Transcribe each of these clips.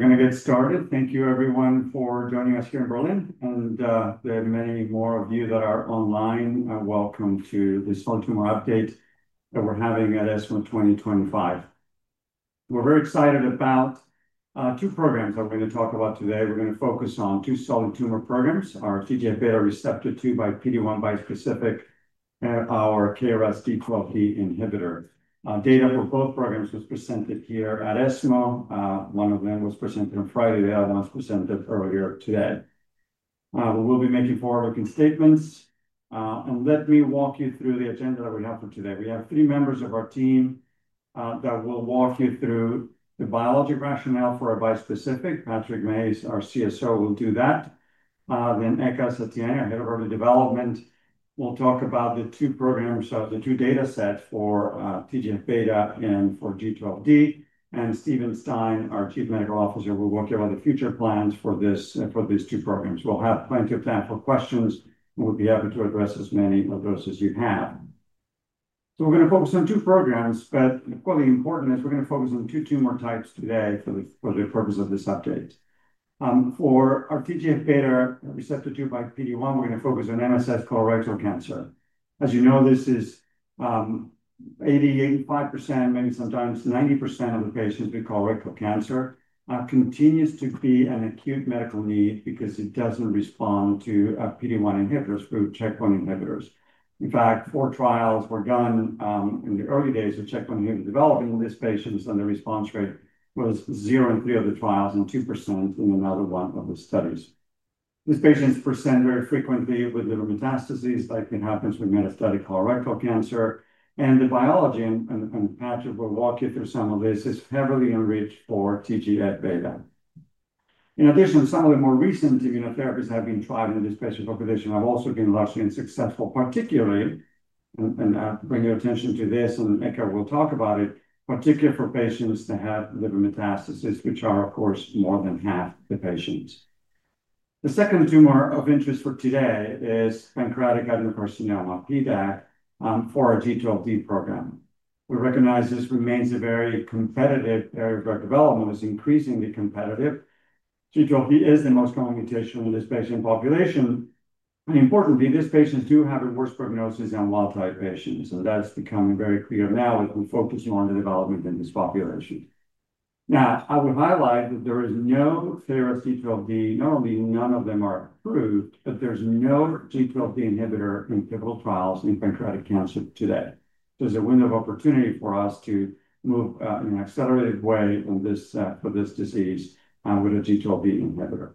We're going to get started. Thank you everyone for joining us here in Berlin and there are many more of you that are online. Welcome to the small tumor update that we're having at ESMO 2025. We're very excited about two programs that we're going to talk about today. We're going to focus on two solid tumor programs, our TGFβ receptor 2 by PD-1 bispecific and our KRAS G12D inhibitor. Data for both programs was presented here at ESMO. One of them was presented on Friday, the other one was presented earlier today. We will be making forward-looking statements and let me walk you through the agenda that we have for today. We have three members of our team that will walk you through the biology rationale for a bispecific. Patrick Mayes, our Chief Scientific Officer, will do that. Then Eka Asatiani, Head of Early Development, will talk about the two programs, the two data sets for TGFβ and for G12D. Steven Stein, our Chief Medical Officer, will work on the future plans for these two programs, we'll have plenty of time for questions and we'll be happy to address as many of those as you have. We're going to focus on two programs but equally important is we're going to focus on two tumor types today for the purpose of this update. For our TGFβ receptor 2 by PD-1, we're going to focus on microsatellite colorectal cancer. As you know, this is 80%, 85%, maybe sometimes 90% of the patients. Colorectal cancer continues to be an acute medical need because it doesn't respond to PD-1 inhibitors or checkpoint inhibitors. In fact, four trials were done in the early days of checkpoint in developing these patients and the response rate was zero in three of the trials and 2% in another one of the studies. These patients present very frequently with liver metastases like it happens with metastatic colorectal cancer. The biology, and Patrick will walk you through some of this, is heavily enriched for TGFβ. In addition, some of the more recent immunotherapies that have been tried in this patient population have also been largely unsuccessful. Particularly, and I bring your attention to this and Eka will talk about it, particularly for patients that have liver metastases, which are of course more than half the patients. The second tumor of interest for today is pancreatic ductal adenocarcinoma (PDAC) for our G12D program. We recognize this remains a very competitive area of drug development, is increasingly competitive. G12D is the most common mutation in this patient population. Importantly, these patients do have a worse prognosis than wild type patients. That's becoming very clear now that we're focusing on the development in this population. I would highlight that there is no KRAS G12D inhibitor. Not only are none of them approved, but there's no KRAS G12D inhibitor in pivotal trials in pancreatic cancer. Today there's a window of opportunity for us to move in an accelerated way for this disease with a KRAS G12D inhibitor.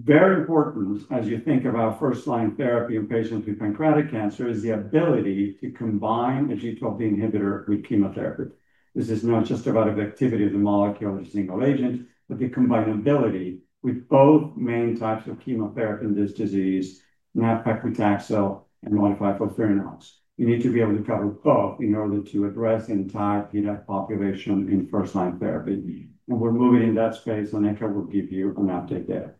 Very important as you think about first line therapy in patients with pancreatic cancer is the ability to combine a KRAS G12D inhibitor with chemotherapy. This is not just about the activity of the molecule or single agent, but the combinability. With both main types of chemotherapy in this disease, gem abraxane and modified FOLFIRINOX, you need to be able to cover both in order to address the entire pancreatic population in first line therapy. We're moving in that space. I will give you an update there.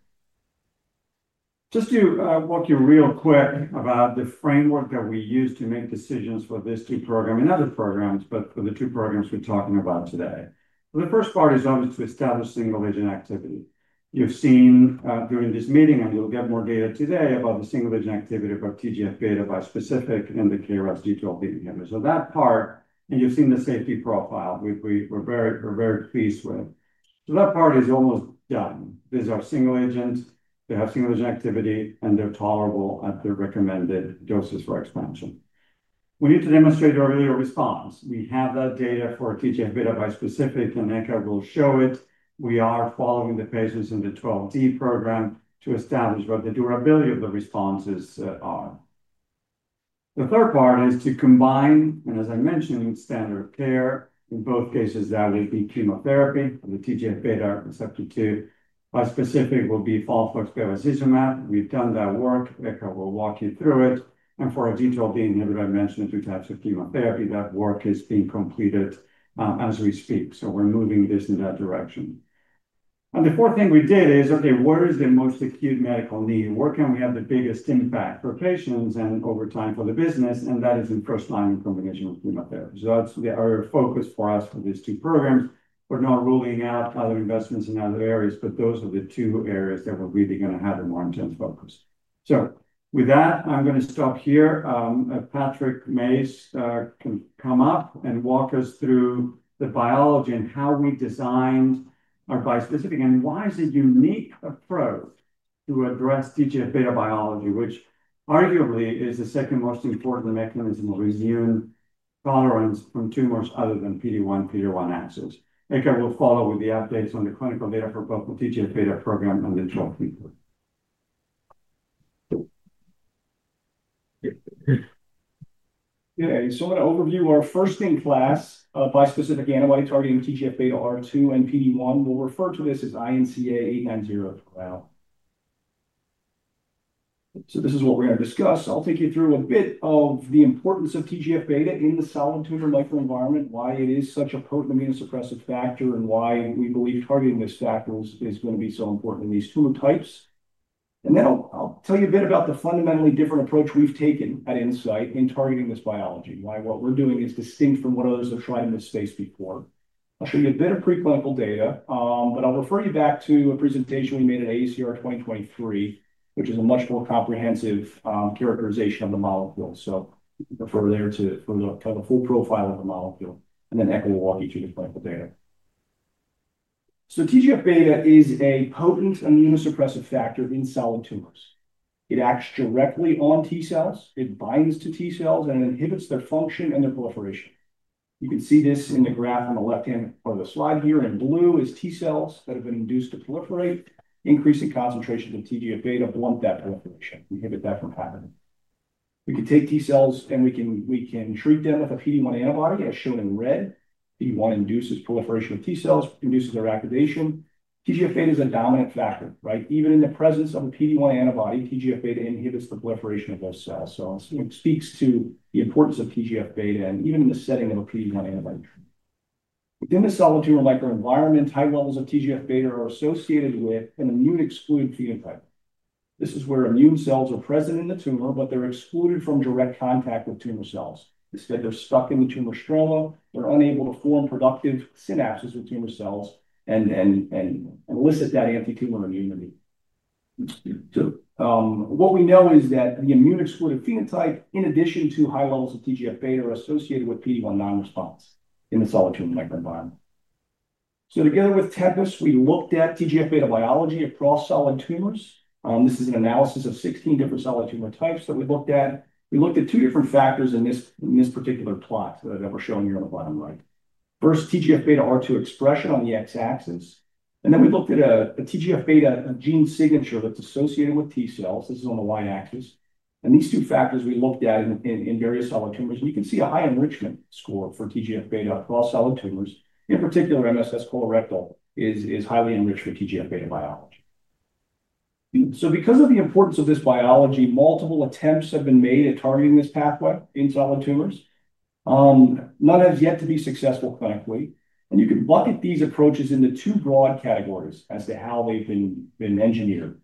Just to walk you real quick through the framework that we use to make decisions for these two programs and other programs. For the two programs we're talking about today, the first part is obvious: to establish single-agent activity. You've seen during this meeting and you'll get more data today about the single-agent activity about TGFβ bispecific in the KRAS G12D setting. That part and you've seen the safety profile we're very pleased with. That part is almost done. These are single agents, they have single-agent activity, and they're tolerable at the recommended doses for expansion. Now we need to demonstrate earlier response. We have that data for TGFβ bispecific and Eka will show it. We are following the patients in the G12D program to establish what the durability of the responses are. The third part is to combine, and as I mentioned, standard-of-care in both cases that would be chemotherapy. The TGFβ receptor 2 bispecific will be FOLFOX, bevacizumab. We've done that work Eka will walk you through it. For our KRAS G12D inhibitor, I mentioned two types of chemotherapy, that work is being completed as we speak. We're moving this in that direction. The fourth thing we did is ask, where is the most acute medical need? Where can we have the biggest impact for patients and over time for the business? That is in first line in combination with chemotherapy. That's our focus for us for these two programs. We're not ruling out other investments in other areas, but those are the two areas that we're really going to have a more intense focus. With that, I'm going to stop here. Patrick Mayes can come up and walk us through the biology and how we designed our bispecific and why it is a unique approach to address TGFβ biology, which arguably is the second most important mechanism of resume tolerance from tumors other than PD-1, PD-1 axis. Eka will follow with the updates on the clinical data for both the TGFβ program and the 12 people. I'm going to overview our first-in-class bispecific antibody targeting TGFβR2 and PD-1. We'll refer to this as INCA33890. This is what we're going to discuss. I'll take you through a bit of the importance of TGFβ in the solid tumor micro-environment, why it is such a potent immunosuppressive factor, and why we believe targeting this factor is going to be so important in these tumor types. I'll tell you a bit about the fundamentally different approach we've taken at Incyte in targeting this biology, why what we're doing is distinct from what others have tried in this space before. I'll show you a bit of preclinical data, but I'll refer you back to a presentation we made at AACR 2023, which is a much more comprehensive characterization of the molecule. Refer there too for the full profile of the molecule and then echo walking to the clinical data. TGFβ is a potent immunosuppressive factor in solid tumors. It acts directly on T cells, it binds to T cells and inhibits their function and their proliferation. You can see this in the graph on the left hand part of the slide here in blue is T cells that have been induced to proliferate. Increasing concentrations of TGFβ blunt that proliferation, inhibit that from happening. We could take T cells and we can treat them with a PD-1 antibody. As shown in red, PD-1 induces proliferation of T cells, induces their activation. TGFβ is a dominant factor. Even in the presence of a PD-1 antibody, TGFβ inhibits the proliferation of those cells. It speaks to the importance of TGFβ. Even in the setting of a PD-1 antibody within the solid tumor micro-environment, high levels of TGFβ are associated with an immune-excluded phenotype. This is where immune cells are present in the tumor, but they're excluded from direct contact with tumor cells. Instead, they're stuck in the tumor stroma. They're unable to form productive synapses with tumor cells and elicit that antitumor immunity. What we know is that the immune-excluded phenotype, in addition to high levels of TGFβ, are associated with PD-1 non-response in the solid tumor micro-environment. Together with Tempus, we looked at TGFβ biology across solid tumors. This is an analysis of 16 different solid tumor types that we looked at. We looked at two different factors in this particular plot that were shown here on the bottom right. First, TGFβ R2 expression on the X axis, and then we looked at a TGFβ gene signature that's associated with T cells. This is on the Y axis. These two factors we looked at in various solid tumors, and you can see a high enrichment score for TGFβ across solid tumors. In particular, MSS colorectal is highly enriched for TGFβ biology because of the importance of this biology, multiple attempts have been made at targeting this pathway in solid tumors. None has yet to be successful clinically, and you can bucket these approaches into two broad categories as to how they've been engineered.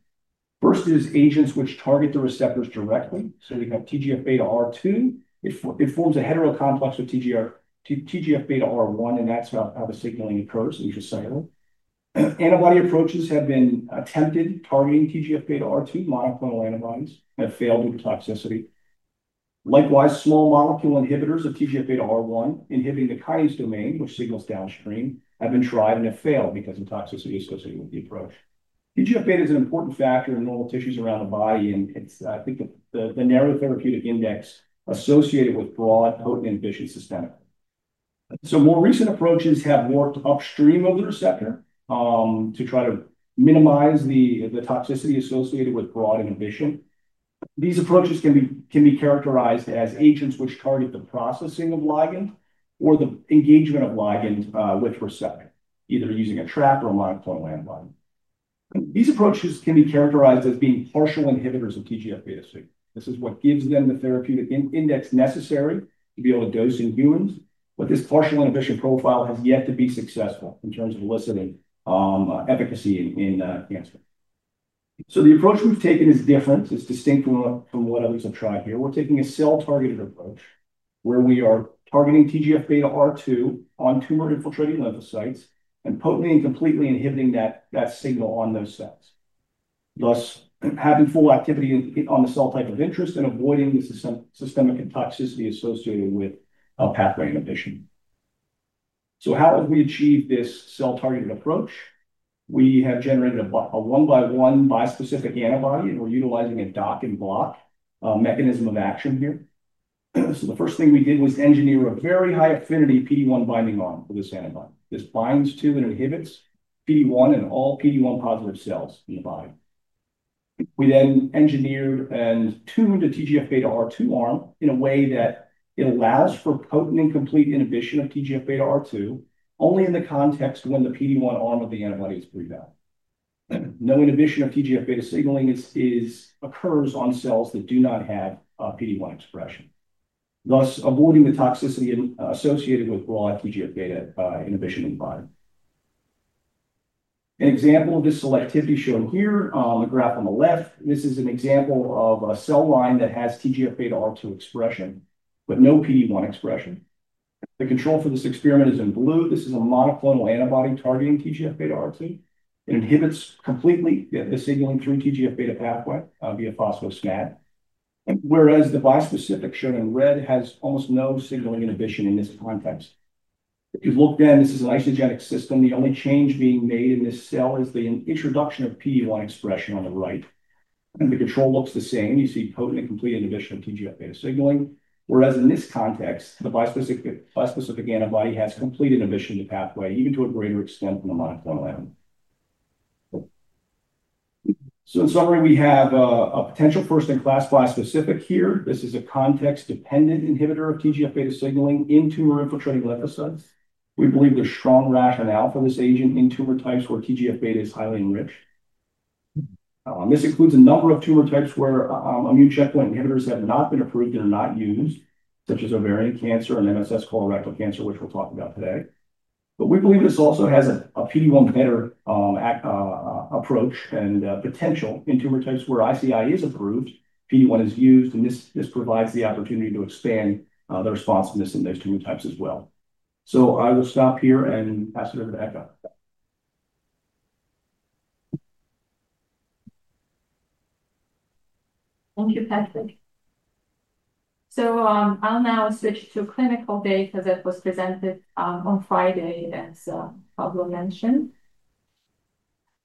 First is agents which target the receptors directly. We have TGFβR2. It forms a heterocomplex with TGFβR1, and that's how the signaling occurs. Antibody approaches have been attempted targeting TGFβR2. Monoclonal antibodies have failed due to toxicity. Likewise, small molecule inhibitors of TGFβR1 inhibiting the kinase domain, which signals downstream, have been tried and have failed because of toxicity associated with the approach. TGFβ is an important factor in normal tissues around the body, and it's, I think, the narrow therapeutic index associated with broad, potent inhibition systemically. More recent approaches have worked upstream of the receptor to try to minimize the toxicity associated with broad inhibition. These approaches can be characterized as agents which target the processing of ligand or the engagement of ligand with receptor, either using a trap or a monoclonal antibody. These approaches can be characterized as being partial inhibitors of TGFβ. This is what gives them the therapeutic index necessary to be able to dose in humans. This partial inhibition profile has yet to be successful in terms of eliciting efficacy in cancer. The approach we've taken is different. It's distinct from what others have tried. Here, we're taking a cell-targeted approach where we are targeting TGFβR2 on tumor-infiltrating lymphocytes and potently and completely inhibiting that signal on those cells, thus having full activity on the cell type of interest and avoiding the systemic toxicity associated with pathway inhibition. How have we achieved this cell-targeted approach? We have generated a one-by-one bispecific antibody, and we're utilizing a dock and block mechanism of action here. The first thing we did was engineer a very high-affinity PD-1 binding arm for this antibody. This binds to and inhibits PD-1 on all PD-1 positive cells in a body. We then engineered and tuned a TGFβR2 arm in a way that it allows for potent and complete inhibition of TGFβR2 only in the context when the PD-1 arm of the antibody is prevalent. No inhibition of TGFβ signaling occurs on cells that do not have PD-1 expression, thus avoiding the toxicity associated with raw TGFβ inhibition in the body. An example of this selectivity is shown here on the graph on the left. This is an example of a cell line that has TGFβR2 expression but no PD-1 expression. The control for this experiment is in blue. This is a monoclonal antibody targeting TGFβR2. It inhibits completely the signaling through the TGFβ pathway via Phospho-Smad, whereas the bispecific shown in red has almost no signaling inhibition in this context. If you look, this is an isogenic system. The only change being made in this cell is the introduction of PD-1 expression on the right, and the control looks the same. You see potent and complete inhibition of TGFβ signaling, whereas in this context the bispecific antibody has complete inhibition of the pathway, even to a greater extent than the monoclonal antibody. In summary, we have a potential first-in-class bispecific here. This is a context-dependent inhibitor of TGFβ signaling in tumor-infiltrating lymphocytes. We believe there's strong rationale for this agent in tumor types where TGFβ is highly enriched. This includes a number of tumor types where immune checkpoint inhibitors have not been approved and are not used, such as ovarian cancer and MSS colorectal cancer, which we'll talk about today. We believe this also has a PD-1 better approach and potential. In tumor types where ICI is approved, PD-1 is used, and this provides the opportunity to expand the responsiveness in those tumor types as well. I will stop here and pass it over to Eka. Thank you, Patrick. I'll now switch to clinical data that was presented on Friday as Pablo mentioned.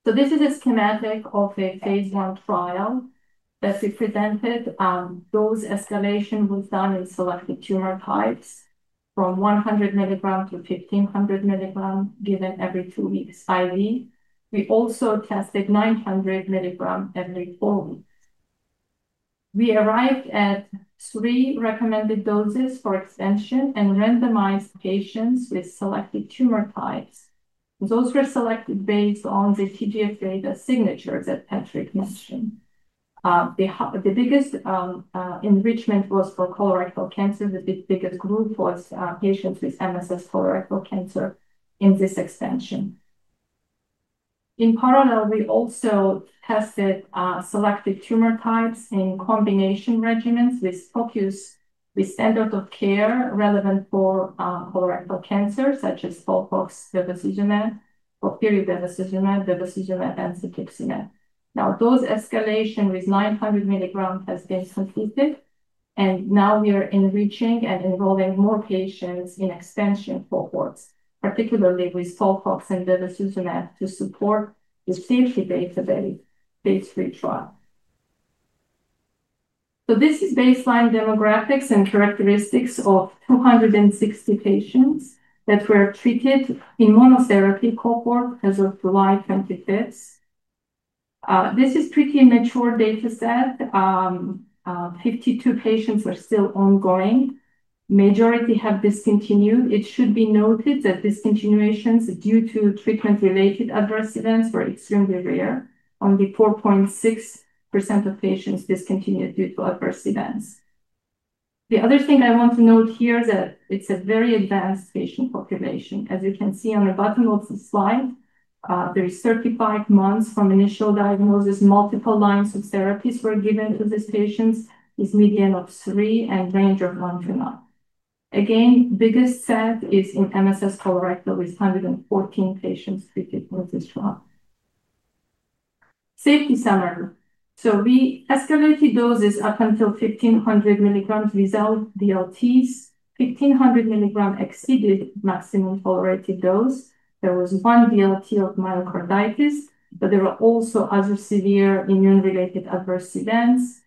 This is a schematic of a phase I trial that we presented dose escalation was done in selected tumor types from 100 mg-1500 mg given every two weeks IV. We also tested 900 mg every four weeks. We arrived at three recommended doses for extension and randomized patients with selected tumor types. Those were selected based on the TGFβ data signature that Patrick mentioned. The biggest enrichment was for colorectal cancer. The biggest group was patients with MSS colorectal cancer in this extension. In parallel, we also tested selected tumor types in combination regimens with focus with standard-of-care relevant for colorectal cancer such as FOLFOX-bevacizumab, Pertuzumab, bevacizumab, and cetuximab. Dose escalation with 900 mg has been completed and now we are enriching and enrolling more patients in extension cohorts, particularly with FOLFOX and bevacizumab to support the safety database for the phase III trial. This is baseline demographics and characteristics of 260 patients that were treated in the monotherapy cohort as of July 25, 2023. This is a pretty mature data set, 52 patients are still ongoing, majority have discontinued. It should be noted that discontinuations due to treatment-related adverse events were extremely rare. Only 4.6% of patients discontinued due to adverse events. The other thing I want to note here is that it's a very advanced patient population. As you can see on the bottom of the slide, there is 35 months from initial diagnosis. Multiple lines of therapies were given to these patients, median of 3 and range of 1-9. Again, biggest set is in MSS colorectal with 114 patients treated with this trial. Safety summary: we escalated doses up until 1,500 mg without dose-limiting toxicities (DLTs), 1,500 mg exceeded maximum tolerated dose. There was one DLT of myocarditis but there were also other severe immune-related adverse events,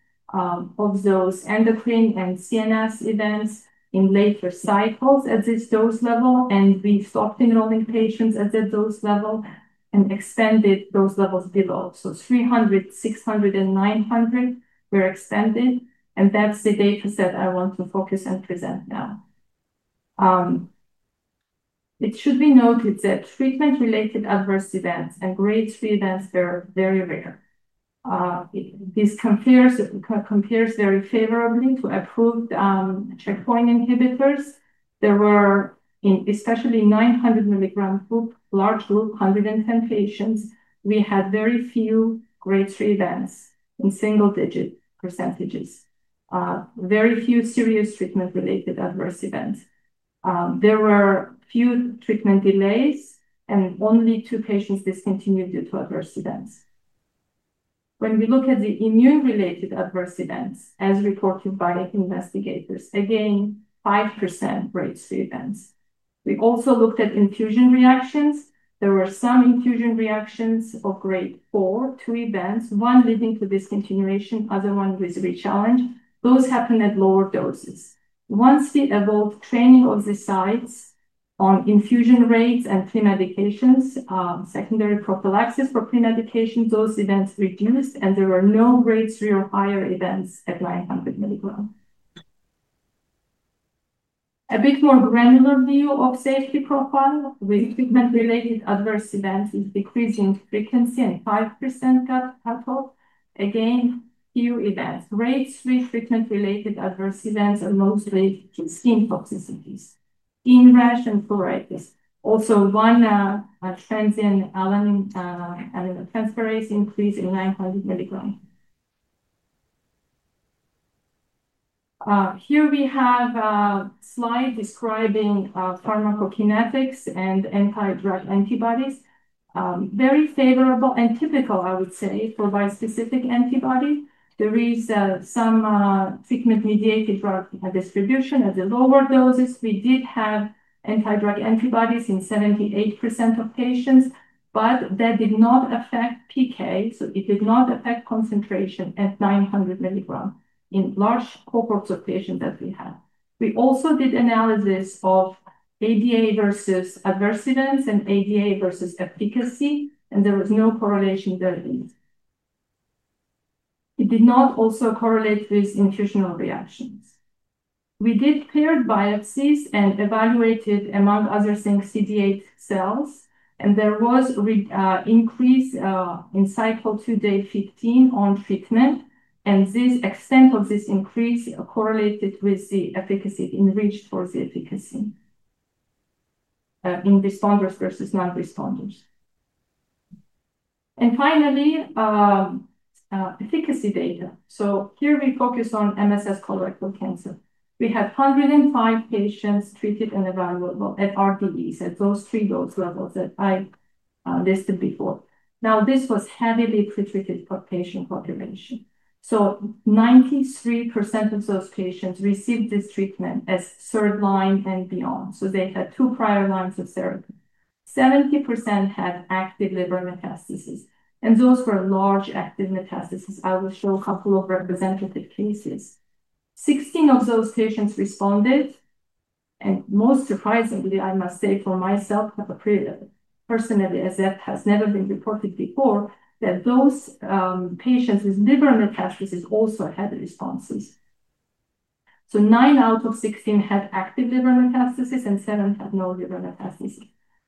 those endocrine and CNS events in later cycles at this dose level, and we stopped enrolling patients at that dose level and extended those levels below. 300, 600, and 900 were extended and that's the data set I want to focus and present. Now it should be noted that treatment-related adverse events and grade 3 events are very rare. This compares very favorably to approved checkpoint inhibitors. There were, especially in the 900 mg group, large group, 110 patients. We had very few grade 3 events in single-digit percentages, very few serious treatment-related adverse events. There were few treatment delays and only two patients discontinued due to adverse events. When we look at the immune-related adverse events as reported by investigators, again 5% grade 3 events. We also looked at infusion reactions. There were some infusion reactions of grade 4, two events, one leading to discontinuation, other one with rechallenge. Those happened at lower doses. Once we evolved training of the sites on infusion rates and premedications, secondary prophylaxis for premedication, those events reduced and there were no grade 3 or higher events at 900 mg. A bit more granular view of safety profile with treatment-related adverse events is decreasing frequency and 5% gut help. Again, few events rates with treatment-related adverse events are mostly skin toxicities in rash and pruritus. Also, one transaminase increase in 900 mg. Here we have slide describing pharmacokinetics and anti-drug antibodies. Very favorable and typical, I would say, for bispecific antibody. There is some treatment-mediated drug distribution at the lower doses. We did have anti-drug antibodies in 78% of patients, but that did not affect PK, so it did not affect concentration at 900 mg in large cohorts of patients that we had. We also did analysis of ADA versus adverse events and ADA versus efficacy, and there was no correlation there. It did not also correlate with infusion reactions. We did paired biopsies and evaluated, among other things, CD8 cells, and there was increase in cycle 2 day 15 on treatment, and this extent of this increase correlated with the efficacy, enriched for the efficacy in responders versus non-responders, and finally efficacy data. Here we focus on MSS colorectal cancer. We had 105 patients treated and available at RDS at those three dose levels that I listed before. This was heavily pre-treated patient population, so 93% of those patients received this treatment as third line and beyond. They had two prior lines of therapy. 70% had active liver metastases, and those were large active metastases. I will show a couple of representative cases. 16 of those patients responded, and most surprisingly, I must say for myself personally, as that has never been reported before, those patients with liver metastases also had responses. 9 out of 16 had active liver metastases, and seven had no liver metastases.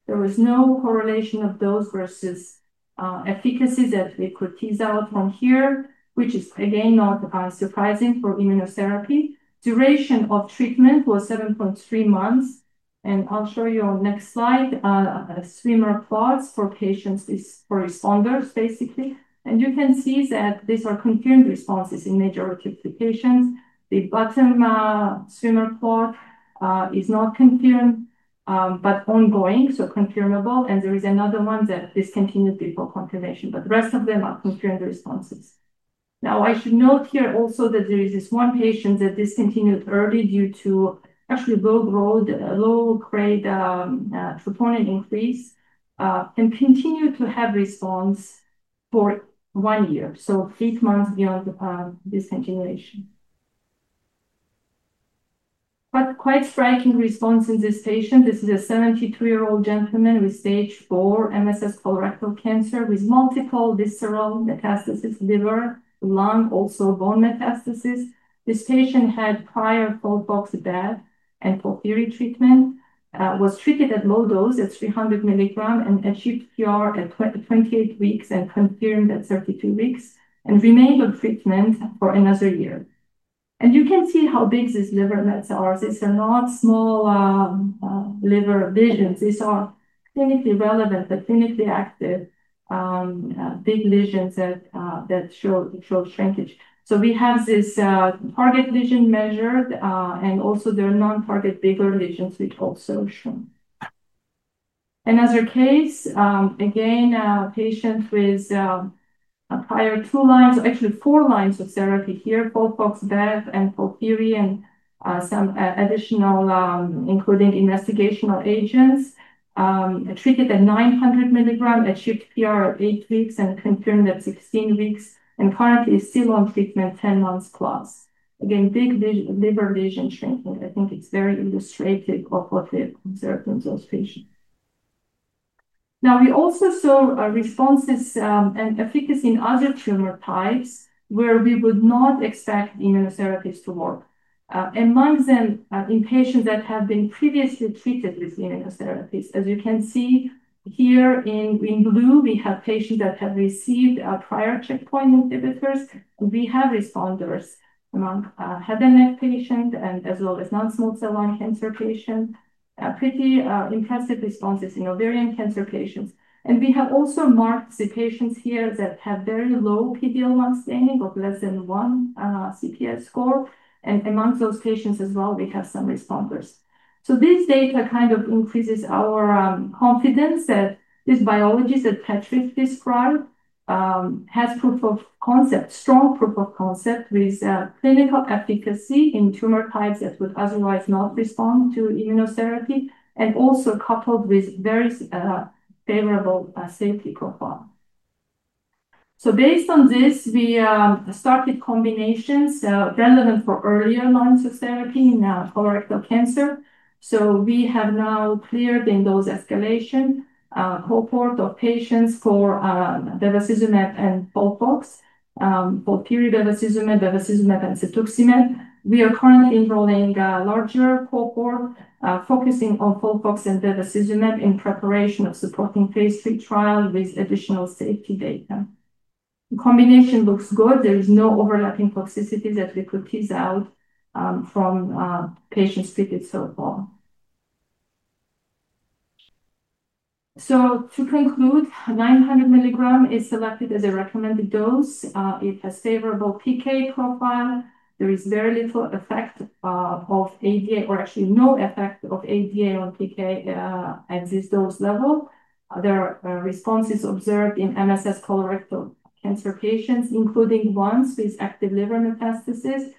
There was no correlation of those versus efficacy that we could tease out from here, which is again not surprising for immunotherapy. Duration of treatment was 7.3 months, and I'll show you on the next slide swimmer plots for patients, for responders basically, and you can see that these are confirmed responses in the majority of the patients. The bottom swimmer plot is not confirmed but ongoing, so confirmable. There is another one that discontinued before confirmation, but the rest of them are confirmed responses. I should note here also that there is this one patient that discontinued early due to actually low grade troponin increase and continued to have response for one year, so eight months beyond discontinuation, but quite striking response in this patient. This is a 73-year-old gentleman with stage 4 MSS colorectal cancer with multiple visceral metastases: liver, lung, also bone metastases. This patient had prior FOLFOX, bevacizumab, and FOLFIRI treatment, was treated at low dose at 300 mg, and achieved PR at 28 weeks and confirmed at 32 weeks and remained on treatment for another year. You can see how big these liver mets are these are not small liver lesions. These are clinically relevant but clinically active big lesions that show shrinkage. We have this target lesion measured, and also there are non-target bigger lesions, which also show another case. Again, patient with prior two lines, actually four lines of therapy here: FOLFOX, bev, and FOLFIRI, and some additional including investigational agents, treated at 900 mg, achieved PR at 8 weeks and confirmed at 16 weeks, and currently still on treatment 10 months+, again big liver lesion shrinking. I think it's very illustrative of what it concerns those patients. We also saw responses and efficacy in other tumor types where we would not expect immunotherapies to work, among them in patients that have been previously treated with immunotherapies. As you can see here in blue, we have patients that have received prior checkpoint inhibitors. We have responders among head and neck patient and as well as non-small cell lung cancer patients, pretty impressive responses in ovarian cancer patients. We have also marked the patients here that have very low PD-L1 staining of less than one CPS score. Amongst those patients as well we have some responders. This data increases our confidence that these biologies that Patrick described has proof of concept, strong proof of concept with clinical efficacy in tumor types that would otherwise not respond to immunotherapy, and also coupled with very favorable safety profile. Based on this we started combinations relevant for earlier lines of therapy in colorectal cancer. We have now cleared in those escalation cohort of patients for bevacizumab and FOLFOX, FOLFIRI-bevacizumab, bevacizumab and cetuximab. We are currently enrolling larger cohort focusing on FOLFOX and bevacizumab in preparation of supporting phase III trial with additional safety data. The combination looks good. There is no overlapping toxicity that we could tease out from patients treated so far. To conclude, 900 mg is selected as a recommended dose. It has favorable PK profile. There is very little effect of ADA or actually no effect of ADA on PK at this dose level. There are responses observed in MSS colorectal cancer patients including ones with active liver metastases.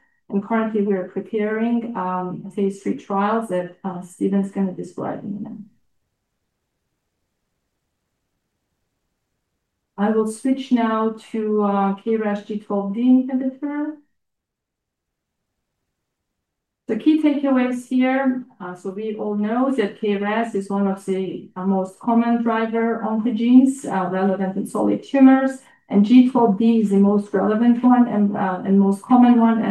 Currently we are preparing phase III trials that Steven is going to describe in a minute. I will switch now to KRAS G12D inhibitor. The key takeaways here. We all know that KRAS is one of the most common driver oncogenes relevant in solid tumors and G12D is the most relevant one and most common one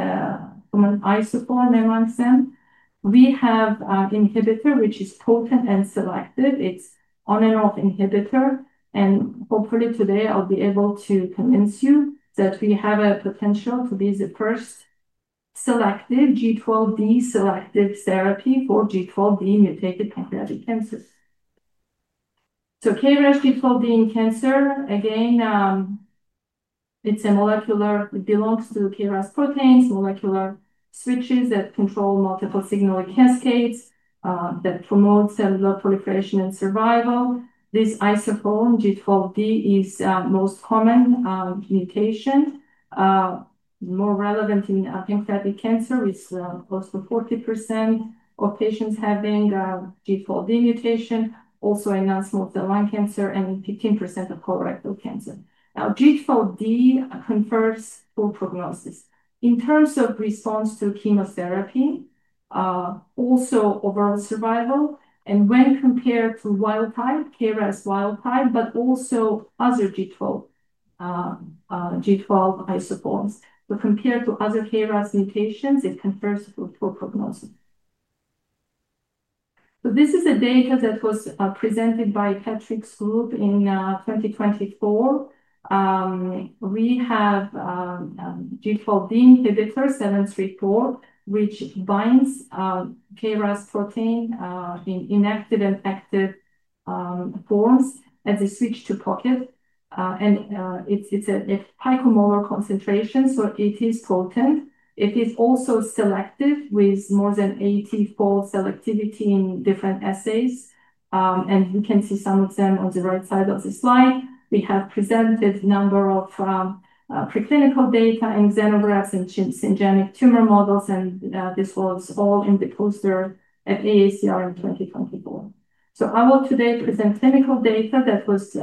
from an isoform. Amongst them we have inhibitor which is potent and selective. It's on and off inhibitor and hopefully today I'll be able to convince you that we have a potential to be the first selective G12D selective therapy for G12D mutated pancreatic cancer. KRAS G12D cancer again it's a molecular, it belongs to KRAS proteins, molecular switches that control multiple signaling cascades that promote cellular proliferation and survival. This isoform G12D is most common mutation more relevant in cancer with close to 40% of patients having G12D mutation, also enhanced multiple lung cancer and 15% of colorectal cancer. Now G12D confers poor prognosis in terms of response to chemotherapy, also overall survival and when compared to wild type KRAS wild type, but also other G12 isoforms. Compared to other KRAS mutations it confers prognosis. This is a data that was presented by Patrick's group in 2024. We have G12D inhibitor INCA0734 which binds KRAS protein inactive and active forms as they switch to pocket and it's a picomolar concentration so it is potent. It is also selective with more than 80-fold selectivity in different assays and you can see some of them on the right side of the slide. We have presented number of preclinical data in xenografts and syngeneic tumor models and this was all in the poster at AACR in 2024. I will today present clinical data that was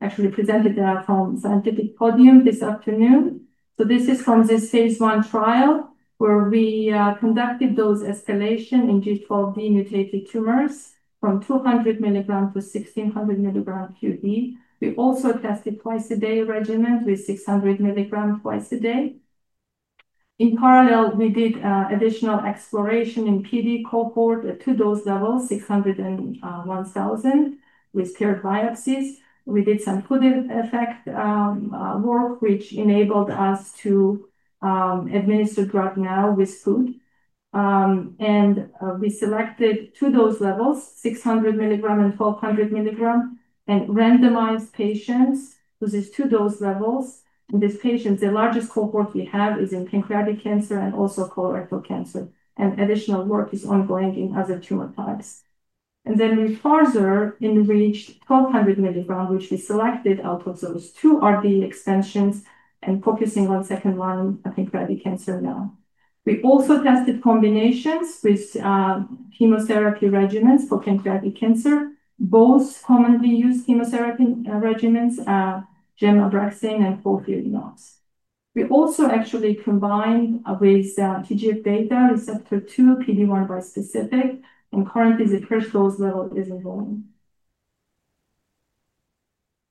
actually presented from scientific podium this afternoon. This is from this phase 1 trial where we conducted dose escalation in G12D-mutated tumors from 200 mg-1600 mg QD. We also tested twice a day regimen with 600 mg twice a day in parallel. We did additional exploration in PD cohort at two dose levels, 600 and 1000, with paired biopsies. We did some food effect work which enabled us to administer drug. Now with food we selected two dose levels, 600 mg and 1200 mg, and randomized patients across those two dose levels in this patient. The largest cohort we have is in pancreatic cancer and also colorectal cancer and additional work is ongoing in other tumor types. We further enriched 1200 mg which we selected out of those two RD extensions and focusing on second one I think, pancreatic cancer. We also tested combinations with chemotherapy regimens for pancreatic cancer. Both commonly used chemotherapy regimens are gem abraxane and FOLFIRINOX. We also actually combined with TGFβ receptor 2 PD-1 bispecific and currently the first dose level is ongoing.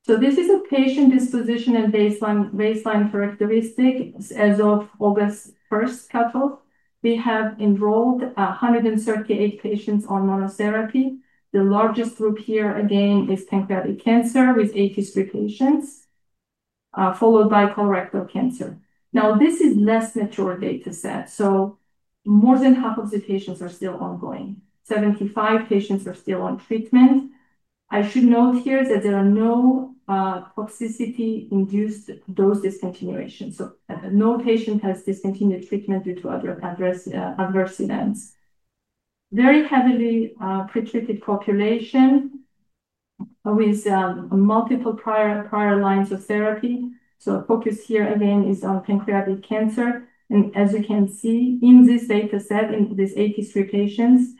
This is a patient disposition and baseline characteristic. As of August 1st cutoff we have enrolled 138 patients on monotherapy. The largest group here again is pancreatic cancer with 83 patients followed by colorectal cancer. This is less mature data set so more than half of the patients are still ongoing. 75 patients are still on treatment. I should note here that there are no toxicity-induced dose discontinuation. No patient has discontinued treatment due to adverse events. Very heavily pretreated population with multiple prior lines of therapy. Focus here again is on pancreatic cancer and as you can see in this data set in these 83 patients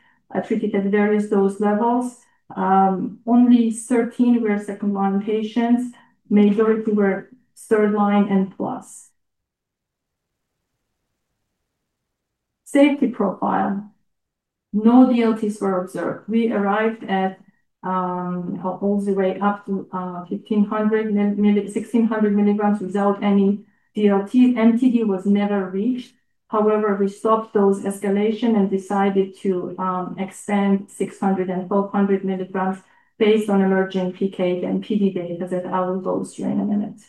treated at various dose levels only 13 were second line patients. Majority were third line and plus. Safety profile, no DLTs were observed. We arrived at all the way up to 1500 mg-1600 mg without any DLT. MTD was never reached. However, we stopped dose escalation and decided to expand 600 mg and 1200 mg based on emerging PK and PD data that I will go through in a minute.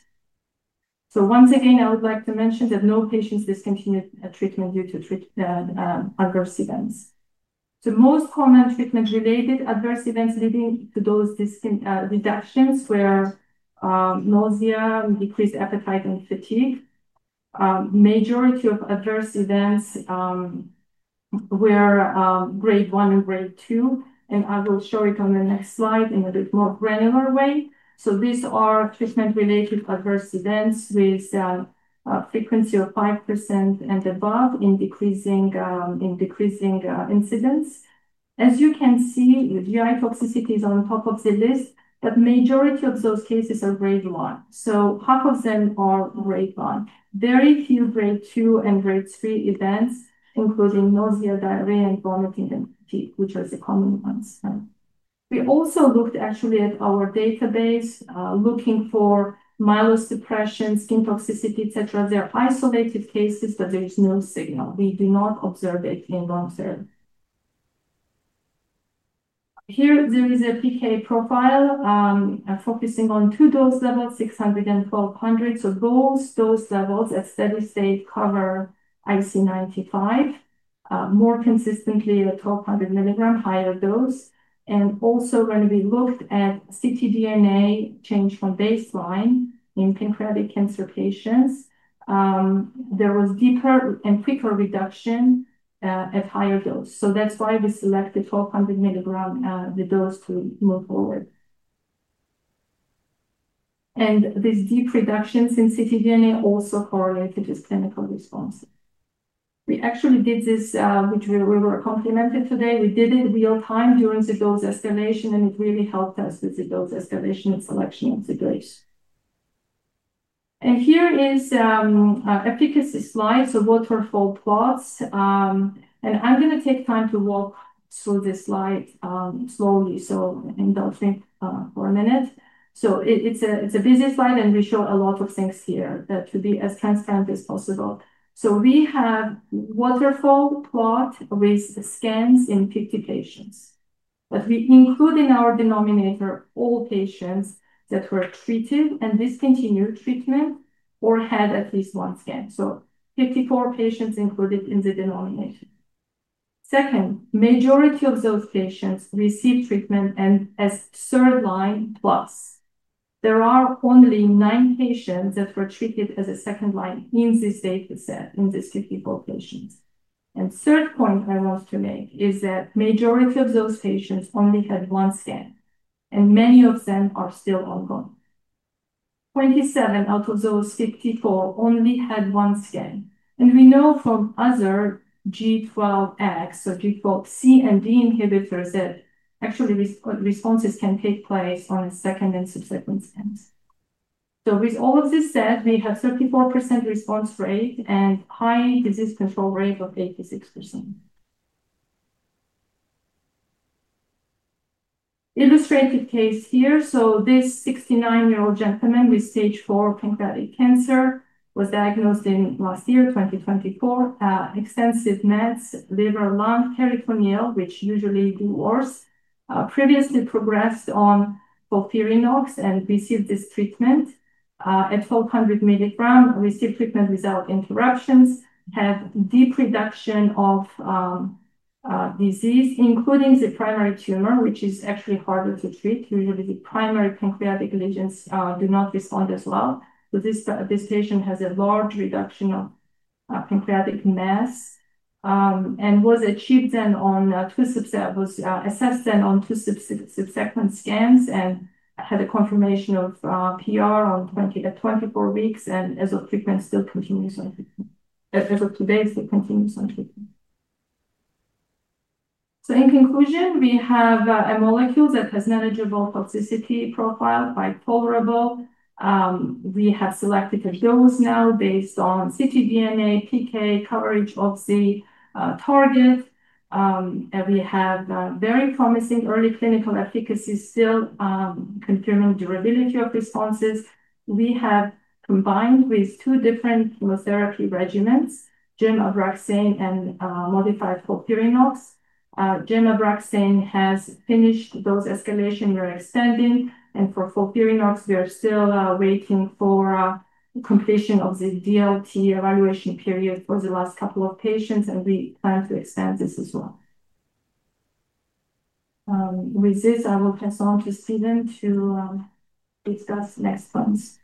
Once again, I would like to mention that no patients discontinued treatment due to adverse events. The most common treatment-related adverse events leading to dose reductions were nausea, decreased appetite, and fatigue. The majority of adverse events were grade one and grade two, and I will show it on the next slide in a bit more granular way. These are treatment-related adverse events with frequency of 5% and above in decreasing incidence. As you can see, GI toxicity is on top of the list. The majority of those cases are grade one, so half of them are grade one. Very few grade two and grade three events, including nausea, diarrhea, vomiting, and fatigue, which are the common ones. We also looked at our database for myelosuppression, skin toxicity, et cetera. They're isolated cases, but there is no signal. We do not observe it in lung cell. Here, there is a PK profile focusing on two dose levels, 600 mg and 1200 mg. Those dose levels at steady state cover IC95 more consistently at 1200 mg higher dose. Also, when we looked at ctDNA change from baseline in pancreatic cancer patients, there was deeper and quicker reduction at higher dose. That's why we selected 1200 mg as the dose to move forward. These deep reductions in ctDNA also correlated with clinical responses. We actually did this, which we were complimented today. We did it real time during the dose escalation, and it really helped us with the dose escalation, selection of the dose. Here is efficacy slides of waterfall plots, and I'm going to take time to walk through this slide slowly, so indulge me for a minute. It's a busy slide, and we show a lot of things here to be as transparent as possible. We have waterfall plot with scans in 50 patients. We include in our denominator all patients that were treated and discontinued treatment or had at least one scan, so 54 patients included in the denominator. The majority of those patients received treatment as third line+. There are only nine patients that were treated as a second line in this data set, in this 54 patients. The third point I want to make is that the majority of those patients only had one scan, and many of them are still ongoing. 27 out of those 54 only had one scan. We know from other G12X, so default C and D inhibitors, that actually responses can take place on a second and subsequent scans. With all of this said, we have 34% response rate and high disease control rate of 86% person illustrated case here. This 69-year-old gentleman with stage 4 pancreatic cancer was diagnosed in last year 2024, extensive mets, liver, lung, peritoneal, which usually do worse, previously progressed on FOLFOX and received this treatment at 1200 mg, received treatment without interruptions, have deep reduction of disease including the primary tumor, which is actually harder to treat. Usually the primary pancreatic lesions do not respond as well. This patient has a large reduction of pancreatic mass and was assessed then on two subsequent scans and had a confirmation of PR on 20-24 weeks. AZO treatment still continues on as of today. Continues on treatment. In conclusion, we have a molecule that has manageable toxicity profile, bipolar bowl. We have selected a dose now based on ctDNA, PK coverage of the target. We have very promising early clinical efficacy, still confirming durability of responses. We have combined with two different chemotherapy regimens, gem abaraxane and modified FOLFIRINOX. Gem abraxane has finished dose escalation, we're extending. For FOLFIRINOX, we are still waiting for completion of the DLT evaluation period for the last couple of patients and we plan to expand this as well. With this, I will pass on to Steven to discuss next ones.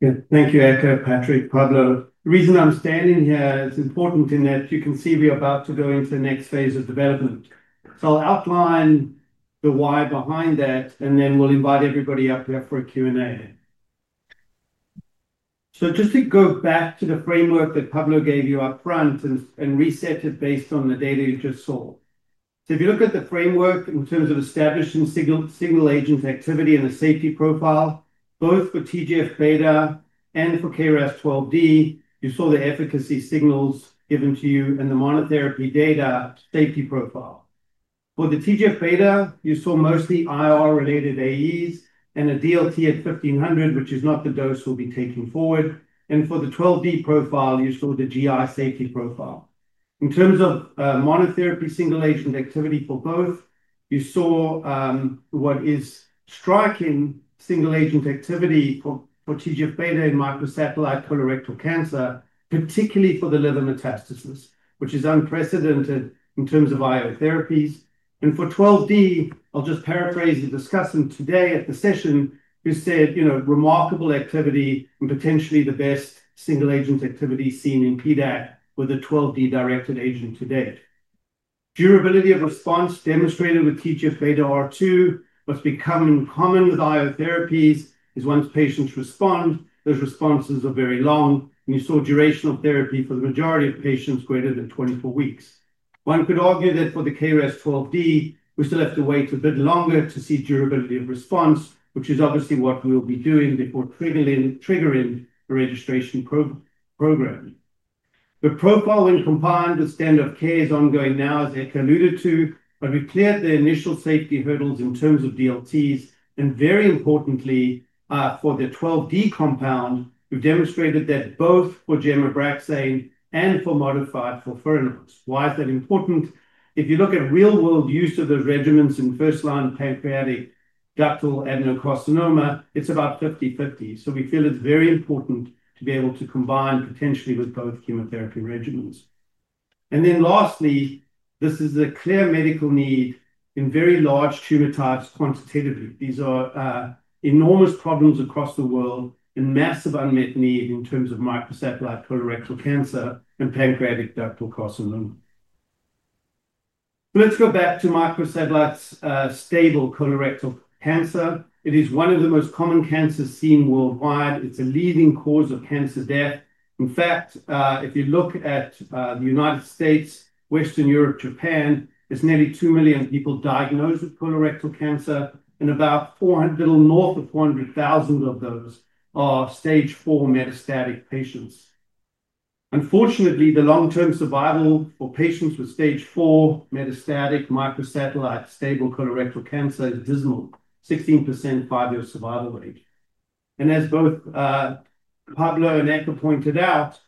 Yeah, thank you. Eka, Patrick, Pablo. The reason I'm standing here is important in that you can see we are about to go into the next phase of development. I'll outline the why behind that and then we'll invite everybody up here for a Q and A. Just to go back to the framework that Pablo gave you up front and reset it based on the data you just saw. If you look at the framework in terms of establishing single agent activity and the safety profile, both for TGFβ and for KRAS G12D, you saw the efficacy signals given to you in the monotherapy data. Safety profile for the TGFβ, you saw mostly IR-related AEs and a DLT at 1500, which is not the dose we'll be taking forward. For the G12D profile, you saw the GI safety profile. In terms of monotherapy single agent activity for both, you saw what is striking single agent activity for TGFβ in microsatellite stable colorectal cancer, particularly for the liver metastases, which is unprecedented in terms of immunotherapies. For G12D, I'll just paraphrase the discussion today at the session. They said remarkable activity and potentially the best single agent activity seen in PDAC with a G12D-directed agent to date. Durability of response demonstrated with TGFβ receptor 2. What's becoming common with immunotherapies is once patients respond, those responses are very long. You saw duration of therapy for the majority of patients greater than 24 weeks. One could argue that for the KRAS G12D, we still have to wait a bit longer to see durability of response, which is obviously what we'll be doing before triggering the registration program. The profile when combined with standard-of-care is ongoing now as Eka alluded to, but we cleared the initial safety hurdles in terms of DLTs and very importantly for the G12D compound, we've demonstrated that both for gem abraxane and for modified FOLFIRINOX. Why is that important? If you look at real world use of those regimens in first-line pancreatic ductal adenocarcinoma, it's about 50%, 50%. We feel it's very important to be able to combine potentially with both chemotherapy regimens. Lastly, this is a clear medical need in very large tumor types. Quantitatively, these are enormous problems across the world and massive unmet need in terms of microsatellite stable colorectal cancer and pancreatic ductal adenocarcinoma. Let's go back to microsatellite stable colorectal cancer. It is one of the most common cancers seen worldwide. It's a leading cause of cancer death. In fact, if you look at the United States, Western Europe, Japan, there's nearly 2 million people diagnosed with colorectal cancer and about a little north of 400,000 of those are stage 4 metastatic patients. Unfortunately, the long-term survival for patients with stage 4 metastatic microsatellite stable colorectal cancer is dismal, 16% 5-year survival rate. As both Pablo and Eka pointed out,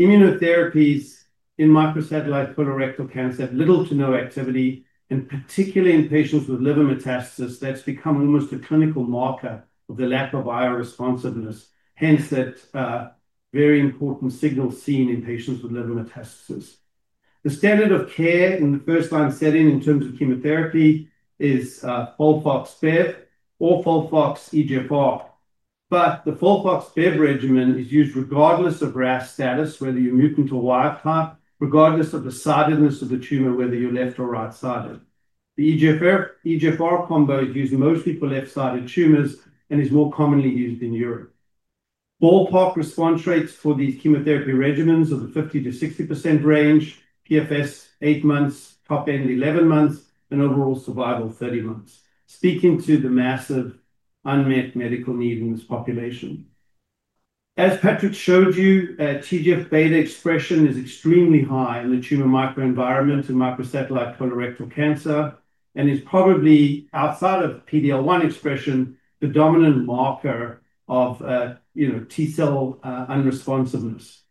immunotherapies in microsatellite stable colorectal cancer have little to no activity. Particularly in patients with liver metastases, that's become almost a clinical marker of the lack of immune responsiveness. Hence, that very important signal seen in patients with liver metastases. The standard of care in the first-line setting in terms of chemotherapy is FOLFOX bev or FOLFOX EGFR. The FOLFOX bev regimen is used regardless of RAS status, whether you're mutant or wild type, regardless of the sidedness of the tumor, whether you're left or right sided. The EGFR combo is used mostly for left-sided tumors and is more commonly used in Europe. Ballpark response rates for these chemotherapy regimens are in the 50%-60% range. PFS 8 months, top end 11 months, and overall survival 30 months. Speaking to the massive unmet medical need in this population, as Patrick showed you, TGFβ expression is extremely high in the tumor micro-environment in microsatellite stable colorectal cancer and is probably, outside of PD-L1 expression, the dominant marker of T cell unresponsiveness.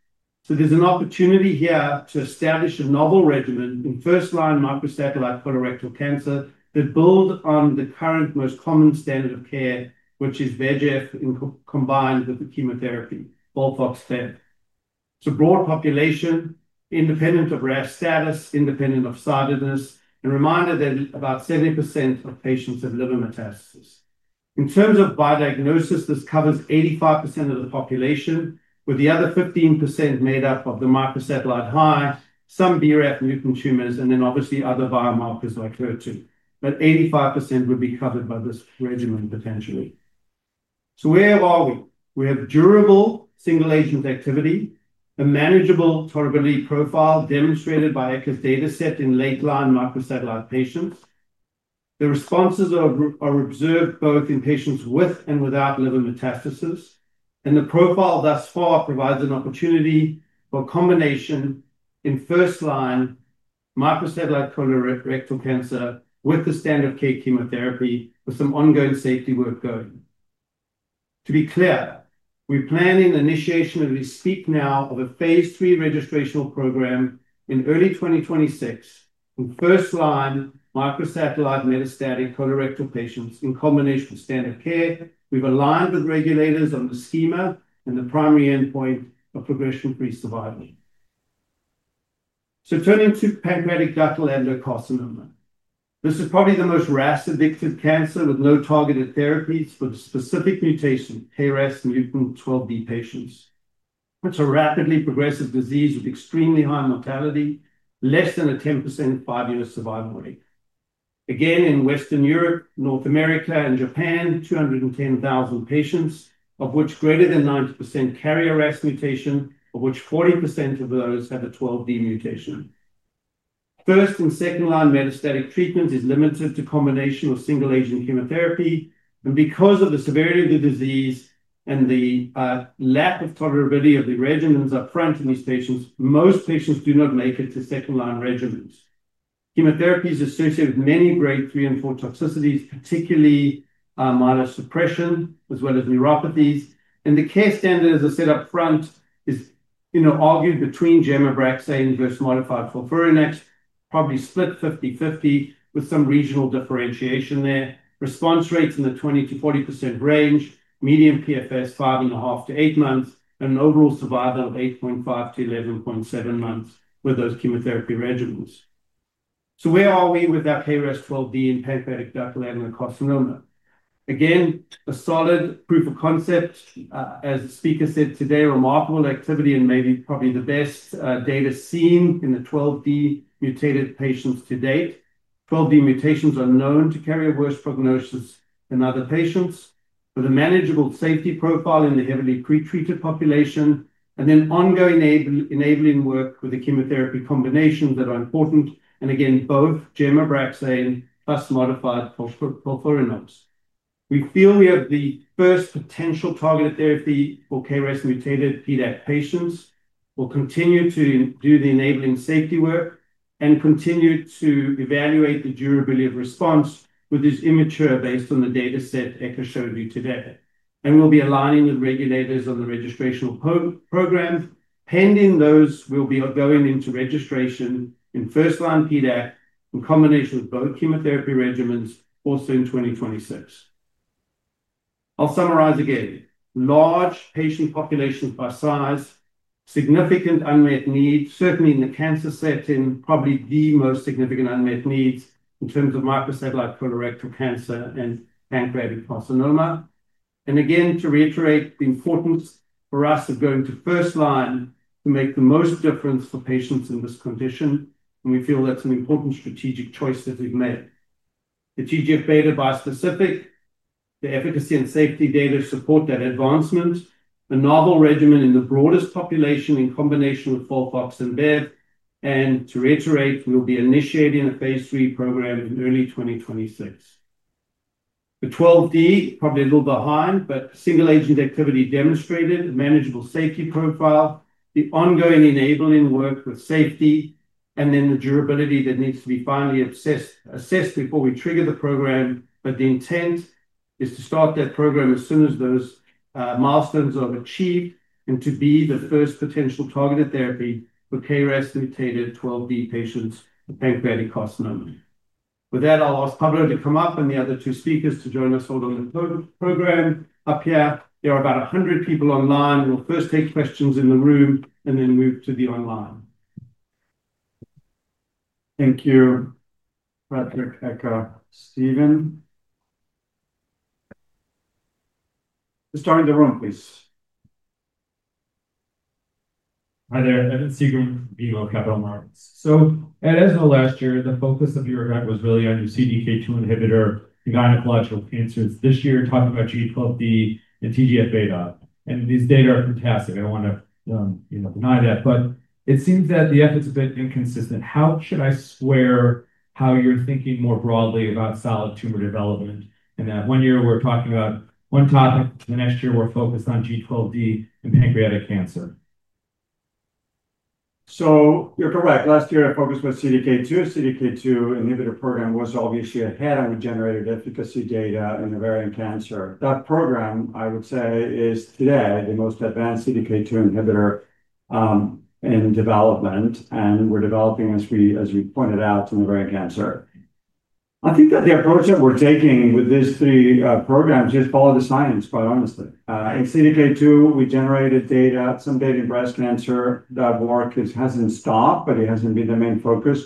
There's an opportunity here to establish a novel regimen in first-line microsatellite stable colorectal cancer that builds on the current most common standard of care, which is VEGF combined with the chemotherapy FOLFOX bev. It's a broad population, independent of RAS status, independent of sidedness, and reminder that about 70% of patients have liver metastases. In terms of biomarker diagnosis, this covers 85% of the population, with the other 15% made up of the microsatellite high, some BRAF mutant tumors, and then obviously other biomarkers like HER2. But 85% would be covered by this regimen potentially. Where are we? We have durable single-agent activity, a manageable tolerability profile demonstrated by Eka's data set in late-line microsatellite stable patients. The responses are observed both in patients with and without liver metastases, and the profile thus far provides an opportunity for combination in first-line microsatellite stable colorectal cancer with the standard of care chemotherapy. With some ongoing safety work, going to be clear, we're planning the initiation and we speak now of a phase 3 registrational program in early 2026 for first line microsatellite stable metastatic colorectal patients in combination with standard-of-care. We've aligned with regulators on the schema and the primary endpoint of progression free survival. Turning to pancreatic ductal adenocarcinoma, this is probably the most RAS-addictive cancer with no targeted therapies for the specific mutation KRAS G12D patients. It's a rapidly progressive disease with extremely high mortality, less than a 10% five-year survival rate. In Western Europe, North America, and Japan, 210,000 patients, of which greater than 90% carry a RAS mutation, of which 40% of those have a G12D mutation. First and second line metastatic treatment is limited to combination with single-agent chemotherapy, and because of the severity of the disease and the lack of tolerability of the regimens up front in these patients, most patients do not make it to second line regimens. Chemotherapy is associated with many grade 3 and 4 toxicities, particularly myelosuppression as well as neuropathies. The care standard, as I said up front, is argued between gemc abraxane versus modified FOLFIRINOX, probably split 50/50 with some regional differentiation. Response rates in the 2040% range, median PFS 5.5 monthsto -8 months, and overall survival of 8.5 to 11.7 months with those chemotherapy regimens. Where are we with our KRAS G12D in pancreatic ductal adenocarcinoma? Again, a solid proof of concept. As the speaker said today, remarkable activity and maybe probably the best data seen in the G12D mutated patients to date. G12D mutations are known to carry a worse prognosis than other patients with a manageable safety profile in the heavily pretreated population. Ongoing enabling work with the chemotherapy combination is important. Both gem abraxane plus modified FOLFIRINOX. We feel we have the first potential targeted therapy for KRAS mutated PDAC patients. We'll continue to do the enabling safety work and continue to evaluate the durability of response, which is immature based on the data set Eka showed you today. We'll be aligning with regulators on the registration program. Pending those, we'll be going into registration in first line PDAC in combination with both chemotherapy regimens also in 2026. I'll summarize again, large patient population by size, significant unmet needs, certainly in the cancer setting, probably the most significant unmet needs in terms of microsatellite stable colorectal cancer and pancreatic ductal adenocarcinoma. To reiterate the importance for us of going to first line to make the most difference for patients in this condition, we feel that's an important strategic choice that we've made. The TGFβ bispecific, the efficacy and safety data support that advancement. A novel regimen in the broadest population in combination with FOLFOX and bevacizumab. To reiterate, we'll be initiating a phase III program in early 2026. The G12D probably a little behind, but single-agent activity demonstrated manageable safety profile. The ongoing enabling work with safety and then the durability that needs to be finally assessed before we trigger the program. The intent is to start that program as soon as those milestones are achieved and to be the first potential targeted therapy for KRAS-mutated G12D patients. Pancreatic cost? No. With that, I'll ask Pablo to come up and the other two speakers to join us all on the program up here. There are about 100 people online. We'll first take questions in the room and we'll move into online. Thank you. Patrick, Eka, Steven, starting the room, please. Hi there. Evan Seigerman from BMO Capital Markets. At ESMO last year the focus of your event was really on your CDK2 inhibitor, the gynecological cancers. This year, talking about G12D and TGFβ. These data are fantastic. I don't want to deny that, but it seems that the effort's a bit inconsistent. How should I swear? How? You're thinking more broadly about solid tumor development. In that one year we're talking about one topic. The next year we're focused on G12D and pancreatic cancer. You're correct. Last year I focused with CDK2, CDK2 inhibitor program was obviously ahead and generated efficacy data in ovarian cancer. That program, I would say, is today the most advanced CDK2 inhibitor in development. We're developing, as you pointed out, in the brain cancer. I think that the approach that we're taking with these three programs is quality science, quite honestly. In CDK2, we generated data, some data in breast cancer. That work hasn't stopped, but it hasn't been the main focus.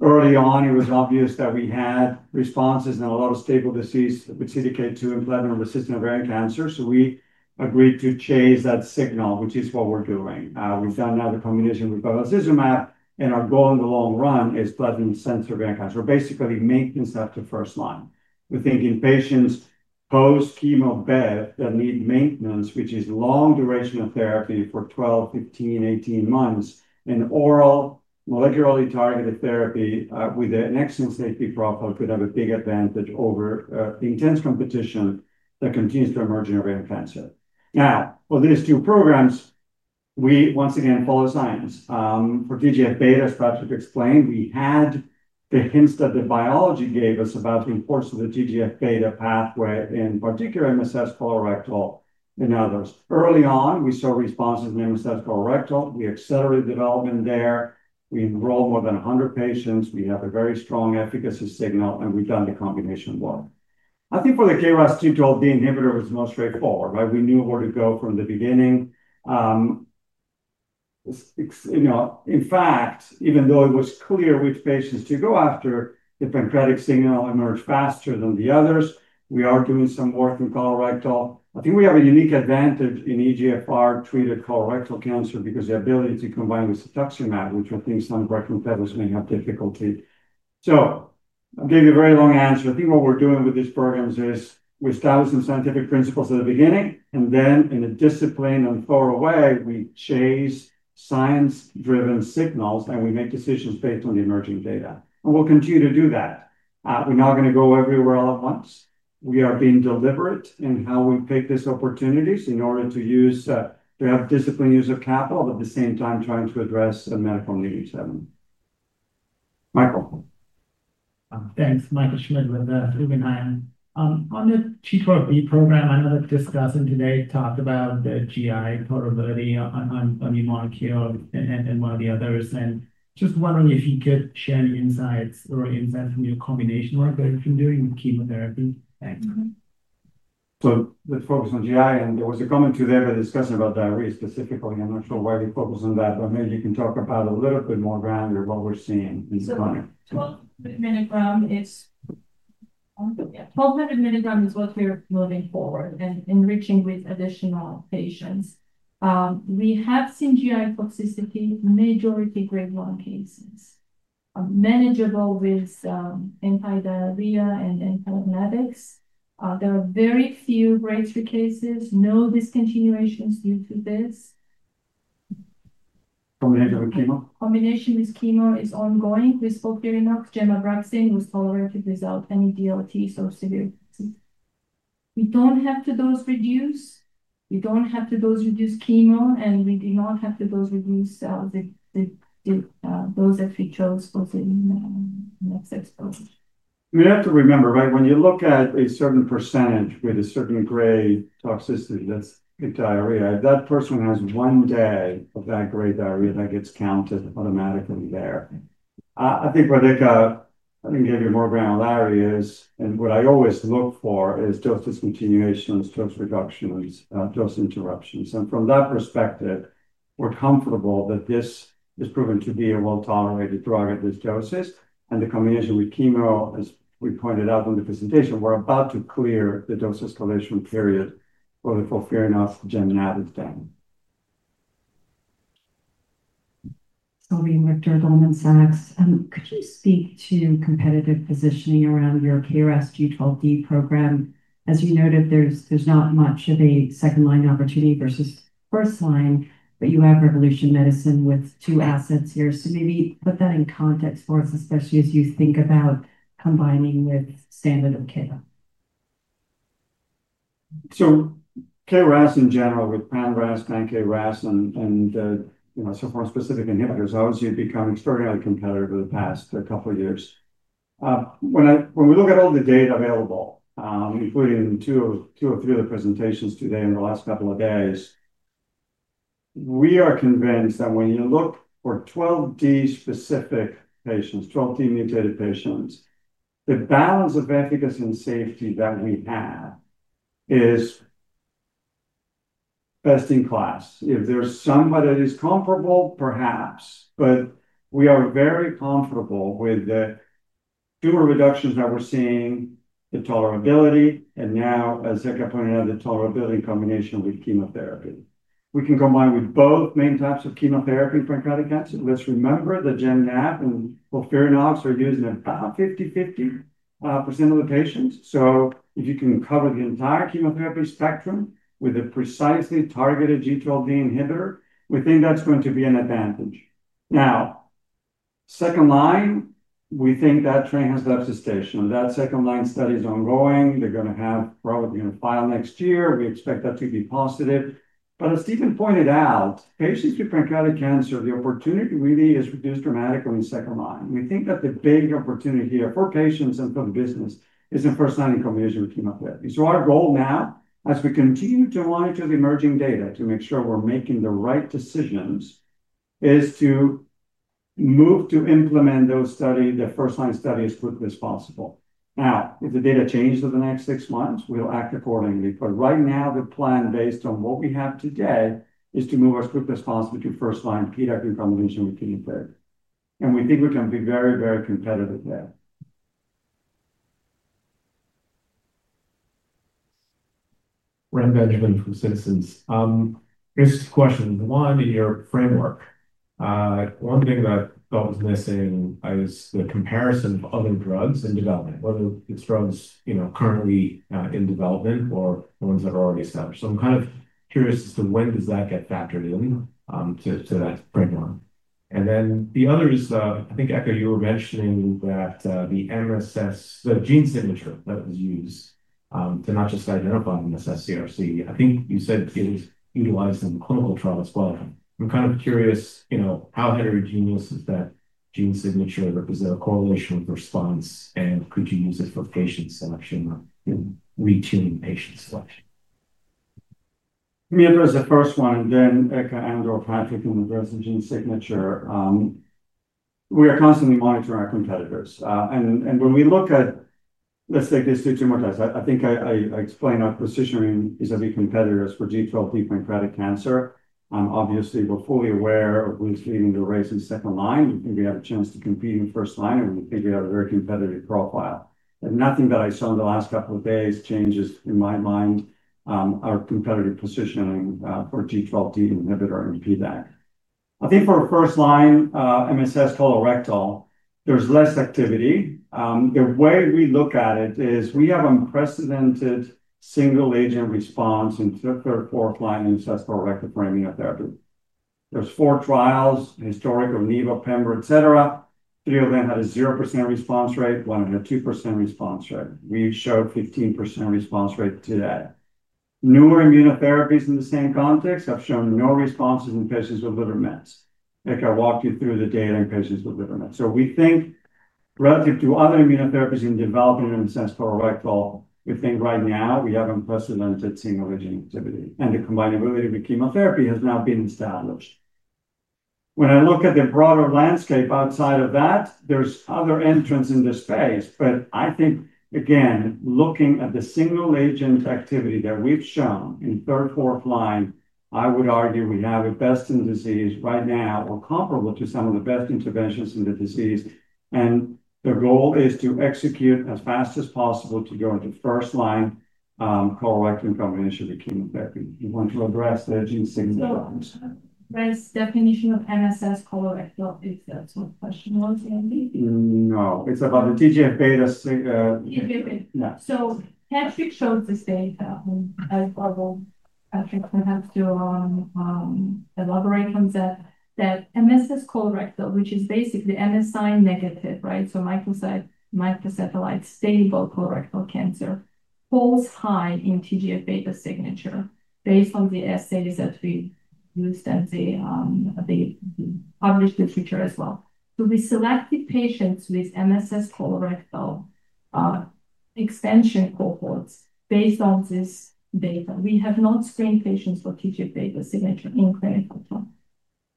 Early on it was obvious that we had responses and a lot of stable disease with CDK2 in bladder and resistant ovarian cancer. We agreed to chase that signal, which is what we're doing. We found out the combination with bevacizumab and our goal in the long run is platinum sensor ventures. We're basically maintenance up to first line. We think in patients post chemo bed that need maintenance, which is long duration of therapy for 12, 15, 18 months. Oral molecularly targeted therapy with an excellent safety profile could have a big advantage over intense competition that continues to emerge in ovarian cancer. Now for these two programs, we once again follow science for TGFβ. As Patrick explained, we had the hints that the biology gave us about the importance of the TGFβ pathway in particular MSS colorectal and others. Early on we saw responses in MSS colorectal. We accelerated development there. We enrolled more than 100 patients. We have a very strong efficacy signal and we've done the combination work. I think for the KRAS G12D inhibitor was most straightforward. We knew where to go from the beginning, you know, in fact, even though it was clear which patients to go after, the pancreatic signal emerged faster than the others. We are doing some work in colorectal. I think we have a unique advantage in EGFR treated colorectal cancer because the ability to combine with cetuximab, which I think some recruitment pedals may have difficulty. I gave you a very long answer. I think what we're doing with these programs is we establish some scientific principles at the beginning and then in a disciplined and thorough way, we chase science driven signals and we make decisions based on the emerging data and we'll continue to do that. We're not going to go everywhere all at once. We are being deliberate in how we pick these opportunities in order to use to have disciplined use of capital at the same time trying to address medical needs. Michael? Thanks. Michael Schmidt with Guggenheim on the G12D program. I know that discussion today talked about the GI portability on your molecule and one of the others, and just wondering if you could share any insights or insights from your combination work that you've been doing with chemotherapy. Let's focus on GI, and there was a comment today by discussing about diarrhea specifically. I'm not sure why they focus on that, but maybe you can talk about a little bit more, gram, or what we're seeing? 12 mg is 1,200 mg is what we're moving forward and enriching with additional patients. We have seen GI toxicities, majority grade 1 cases, manageable with anti-diarrhea and antiemetics. There are very few grade 3 cases, no discontinuations due to this. Combination with chemo. Combination with chemo is ongoing with FOLFIRINOX. Gem abraxane was tolerated without any dose-limiting toxicities, so we don't have to dose reduce, we don't have to dose reduce chemo, and we do not have to dose reduce those that we chose for the next exposure. You have to remember right when you look at a certain % with a certain grade toxicity, that's diarrhea. That person has one day of that grade diarrhea that gets counted automatically there. I think Eka gave you more granularity, and what I always look for is dose discontinuations, dose reductions, dose interruptions, and from that perspective we're comfortable that this has proven to be a well-tolerated drug at these doses and the combination with chemo. As we pointed out in the presentation, we're about to clear the dose escalation period for the FOLFIRINOX and nab-paclitaxel is done. Could you speak to competitive positioning around your KRAS G12D program? As you noted there's not much of a second line opportunity versus first line. You have Revolution Medicines with two assets here. Maybe put that in context for us especially as you think about combining with standard-of-care? KRAS in general with pan-KRAS, and for specific inhibitors, obviously, it has become extraordinarily competitive in the past couple years. When we look at all the data available, including two or three of the presentations today, in the last couple of days, we are convinced that when you look for G12D-specific patients, G12D-mutated patients, the balance of efficacy and safety that we have is best in class. If there's somebody that is comfortable, perhaps, but we are very comfortable with the tumor reductions that we're seeing. The tolerability, and now as Eka pointed out, the tolerability in combination with chemotherapy, we can combine with both main types of chemotherapy for pancreatic cancer. Let's remember the gem abraxane and FOLFIRINOX are used in about 50% of the patients. If you can cover the entire chemotherapy spectrum with a precisely targeted G12D inhibitor, we think that's going to be an advantage. Now, second line, we think that train has left the station. That second line study is ongoing. They're probably going to file next year. We expect that to be positive. As Steven pointed out, patients with pancreatic cancer, the opportunity really is reduced dramatically in second line. We think that the big opportunity here for patients and for the business is in first line in combination with chemotherapy. Our goal now, as we continue to monitor the emerging data to make sure we're making the right decisions, is to move to implement those studies, the first line study, as quickly as possible. If the data changes over the next six months, we'll act accordingly. Right now, the plan based on what we have today is to move as quickly as possible to first line PDAC combination with chemotherapy, and we think we can be very, very competitive there. Rem Benjamin from Citizens. Here's two questions. One, in your framework, one thing that was missing is the comparison of other drugs in development, whether it's drugs currently in development or ones that are already established. I'm kind of curious as to when does that get factored in to that. The other is, I think Eka, you were mentioning that the MSS, the gene signature that was used to not just identify MSS CRC, I think you said it was utilized in clinical trial as well. I'm kind of curious, how heterogeneous is that gene signature, does it represent a correlation with response, and could you use it for patient selection? Retuning patient selection. Let me address the first one and then Eka and/or Patrick can address the gene signature. We are constantly monitoring our competitors and when we look at, let's take this two more times. I think I explained our precision is a big competitor. As for G12D pancreatic cancer, obviously we're fully aware of who's leading the race in second line. We have a chance to compete in first line and figure out a very competitive profile. Nothing that I saw in the last couple of days changes in my mind our competitive positioning for G12D inhibitor and PDAC. I think for a first line MSS colorectal, there's less activity. The way we look at it is we have unprecedented single agent response in fifth or fourth line ancestral rectal for immunotherapy. There are four trials historic of Neva, Pembra, et cetera. Three of them had a 0% response rate. One had a 2% response rate. We showed 15% response rate today. Newer immunotherapies in the same context have shown no responses in patients with liver metastases. Like I walked you through the data in patients with liver metastases. We think relative to other immunotherapies in developing sense colorectal, we think right now we have unprecedented single region activity and the combined ability of the chemotherapy has now been established. When I look at the broader landscape outside of that, there are other entrants in this space. Again, looking at the single agent activity that we've shown in third, fourth line, I would argue we have a best in disease right now or comparable to some of the best interventions in the disease. The goal is to execute as fast as possible to go into first line colorectal in combination chemotherapy. We want to address the gene signal. Definition of MSS colorectal. Is that what the question was, Andy? No, it's about the TGFβ. Patrick shows this data. I have to elaborate on that. That MSS colorectal, which is basically MSI negative, right, so microsatellite stable colorectal cancer, holds high in TGFβ signature based on the assays that we used and the published literature as well. We selected patients with MSS colorectal extension cohorts based on this data. We have not screened patients for TGFβ signature in clinical trial.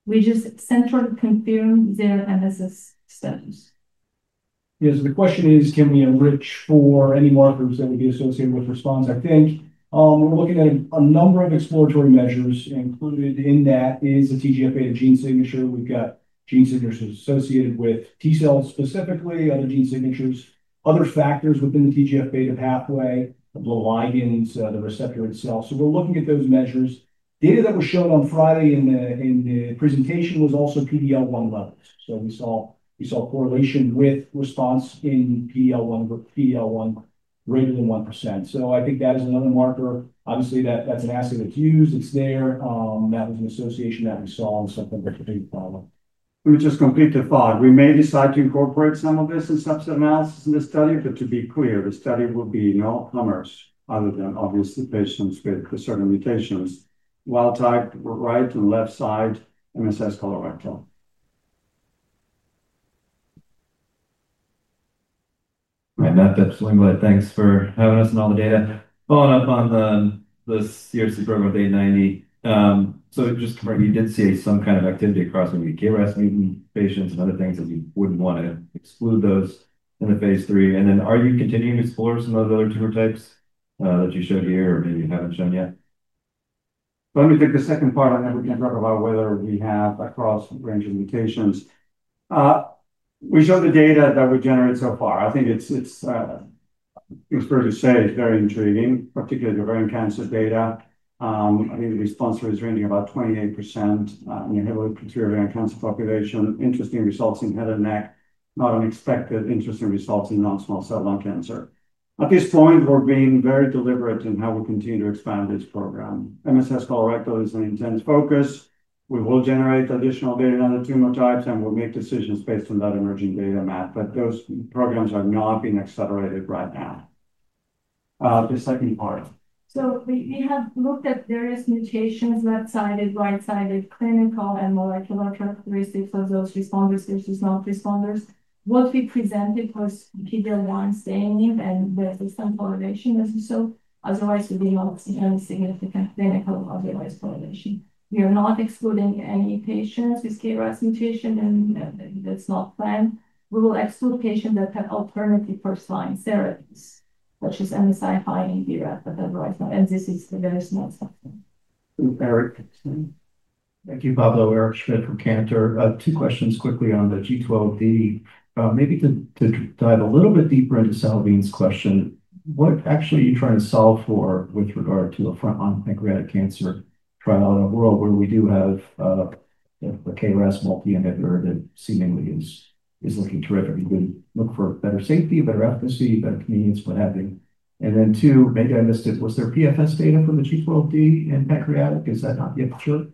We just centrally confirmed their MSS status. Yes. The question is, can we enrich for any markers that would be associated with response? I think we're looking at a number of exploratory measures. Included in that is the TGFβ gene signature. We've got gene signatures associated with T cells, specifically other gene signatures, other factors within the TGFβ pathway, the ligands, the receptor itself. We're looking at those measures. Data that was shown on Friday in the presentation was also PD-L1 level. We saw correlation with response in PD-L1 greater than 1%. I think that is another marker, obviously that's an assay that's used. It's there. That was an association that we saw in September. Let me just complete the thought. We may decide to incorporate some of this in subset analysis in this study. To be clear, the study will be no commerce other than obviously patients with certain mutations, wild type, right and left side, MSS colorectal. All right, Matt, thanks for having us all the data following up on this CRC program with a 90. You did see some kind of activity across maybe KRAS mutant patients. Other things that you wouldn't want to exclude those in the phase III. Are you continuing to explore some of those other tumor types that you showed here or maybe you haven't shown yet? Let me take the second part and then we can talk about whether we have a cross range of mutations. We showed the data that we generated so far. I think, as expertly said, it's very intriguing, particularly ovarian cancer data. I think the response rate is ranging about 28% in the ovarian cancer population. Interesting results in head and neck, not unexpected. Interesting results in non-small cell lung cancer. At this point, we're being very deliberate in how we continue to expand this program. MSS colorectal is an intense focus. We will generate additional data on the tumor types and we'll make decisions based on that emerging data map. Those programs are not being accelerated right now. The second part. We have looked at various mutations, left-sided, right-sided, clinical and molecular characteristics of those responders versus non-responders. What we presented was TBR1 stain and the system polarization, as you saw. Otherwise, we have significant clinical otherwise correlation. We are not excluding any patients with KRAS mutation and that's not planned. We will exclude patients that have alternative first line therapies such as MSI High BRAF at the right time. This is a very small section. Thank you, Pablo. Eric Schmidt from Cantor. Two questions quickly on the G12D, maybe to dive a little bit deeper into Salveen's question. What actually are you trying to solve for with regard to a front line pancreatic cancer trial in a world where we do have a KRAS multi inhibitor that seemingly is looking terrific? Look for better safety, better efficacy, better convenience, what have you. Then, maybe I missed it. Was there PFS data from the G12D in pancreatic? Is that not yet sure?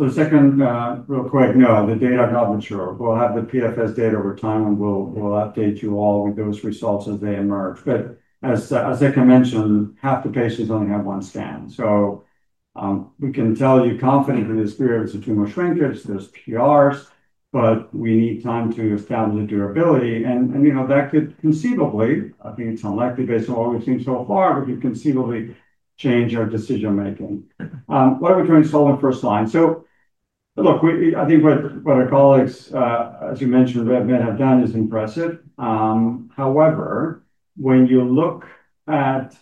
The second, real quick, no, the data are not mature. We'll have the PFS data over time and we'll update you all with those results as they emerge. As Eka mentioned, half the patients only have one scan. We can tell you confidently there's periods of tumor shrinkage, there's PRs, but we need time to establish durability and that could conceivably, I think it's unlikely based on what we've seen so far, conceivably change our decision making. Why would you install on first line? I think what our colleagues, as you mentioned, Revolution Medicines, have done is impressive. However, when you look at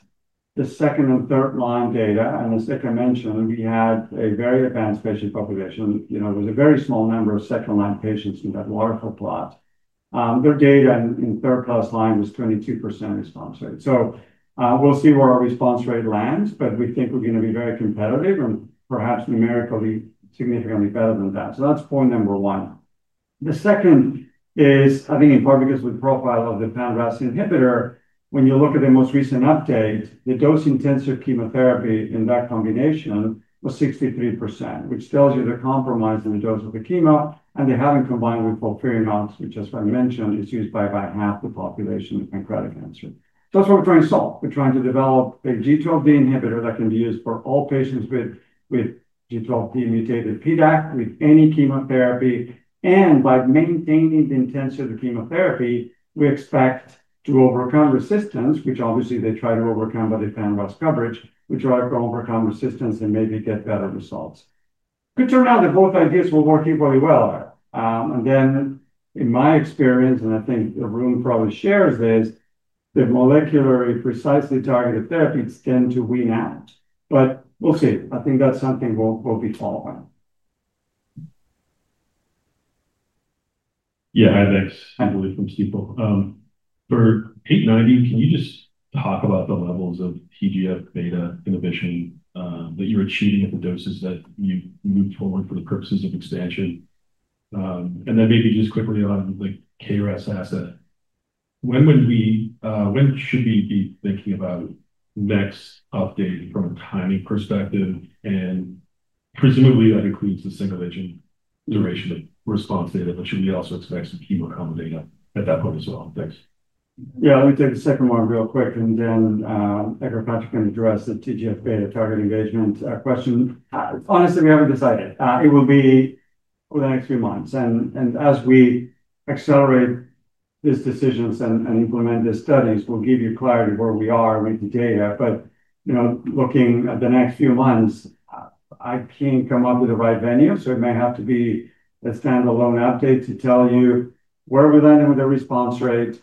the second and third line data and as Eka mentioned, we had a very advanced patient population, it was a very small number of second line patients in that waterfall plot. Their data in third plus line was 22% response rate. We'll see where our response rate lands, but we think we're going to be very competitive and perhaps numerically significantly better than that. That's point number one. The second is, I think in part because of the profile of the pan-KRAS inhibitor. When you look at the most recent update, the dose intensive chemotherapy in that combination was 63%, which tells you they're compromised in the dose of the chemo and they haven't combined with FOLFIRINOX, which as I mentioned is used by about half the population of pancreatic cancer. That's what we're trying to solve. We're trying to develop a G12D inhibitor that can be used for all patients with G12D mutated PDAC with any chemotherapy. By maintaining the intensive chemotherapy, we expect to overcome resistance, which obviously they try to overcome by the pan-KRAS coverage. We try to overcome resistance and maybe get better results. It could turn out that both ideas were working equally well. In my experience, and I think the room probably shares this, the molecular precisely targeted therapies tend to win out. We'll see, I think that's something we'll be following. Yeah, Stephen Willey from Stifel. Can you just talk about the levels of TGFβ inhibition that you're achieving at the doses that you move forward for the purposes of expansion, and then maybe just quickly on the KRAS asset, when should we be thinking about next update from a timing perspective? And presumably that includes the single-agent duration of response data, but should we also expect some chemo combo data at that point as well? Thanks. Yeah, let me take the second one real quick, and then Eka or Patrick can address the TGFβ target engagement question. Honestly, we haven't decided. It will be over the next few months, and as we accelerate these decisions and implement these studies, we'll give you clarity where we are with the data. Looking at the next few months, I can't come up with the right venue. It may have to be a standalone update to tell you where we landed with the response rate,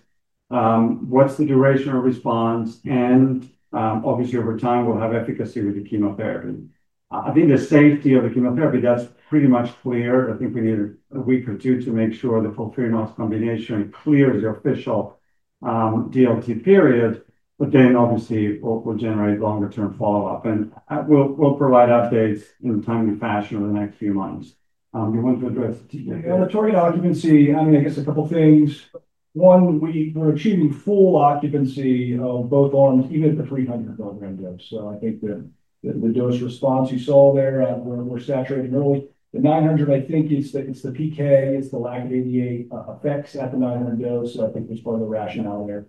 what's the duration of response, and obviously over time we'll have efficacy with the chemotherapy. I think the safety of the chemotherapy, that's pretty much clear. I think we need a week or two to make sure the FOLFIRINOX combination clears the official DLT period, but then obviously we'll generate longer-term follow-up and we'll provide updates in a timely fashion over the next few months. You want to address occupancy? I mean, I guess a couple things. We were achieving full occupancy of both arms even at the 300 mg dose. I think that the dose response you saw there, we're saturating early. The 900, I think, is the PK. It's the lack of ADA effects at the 900 dose. I think there's part of the rationale there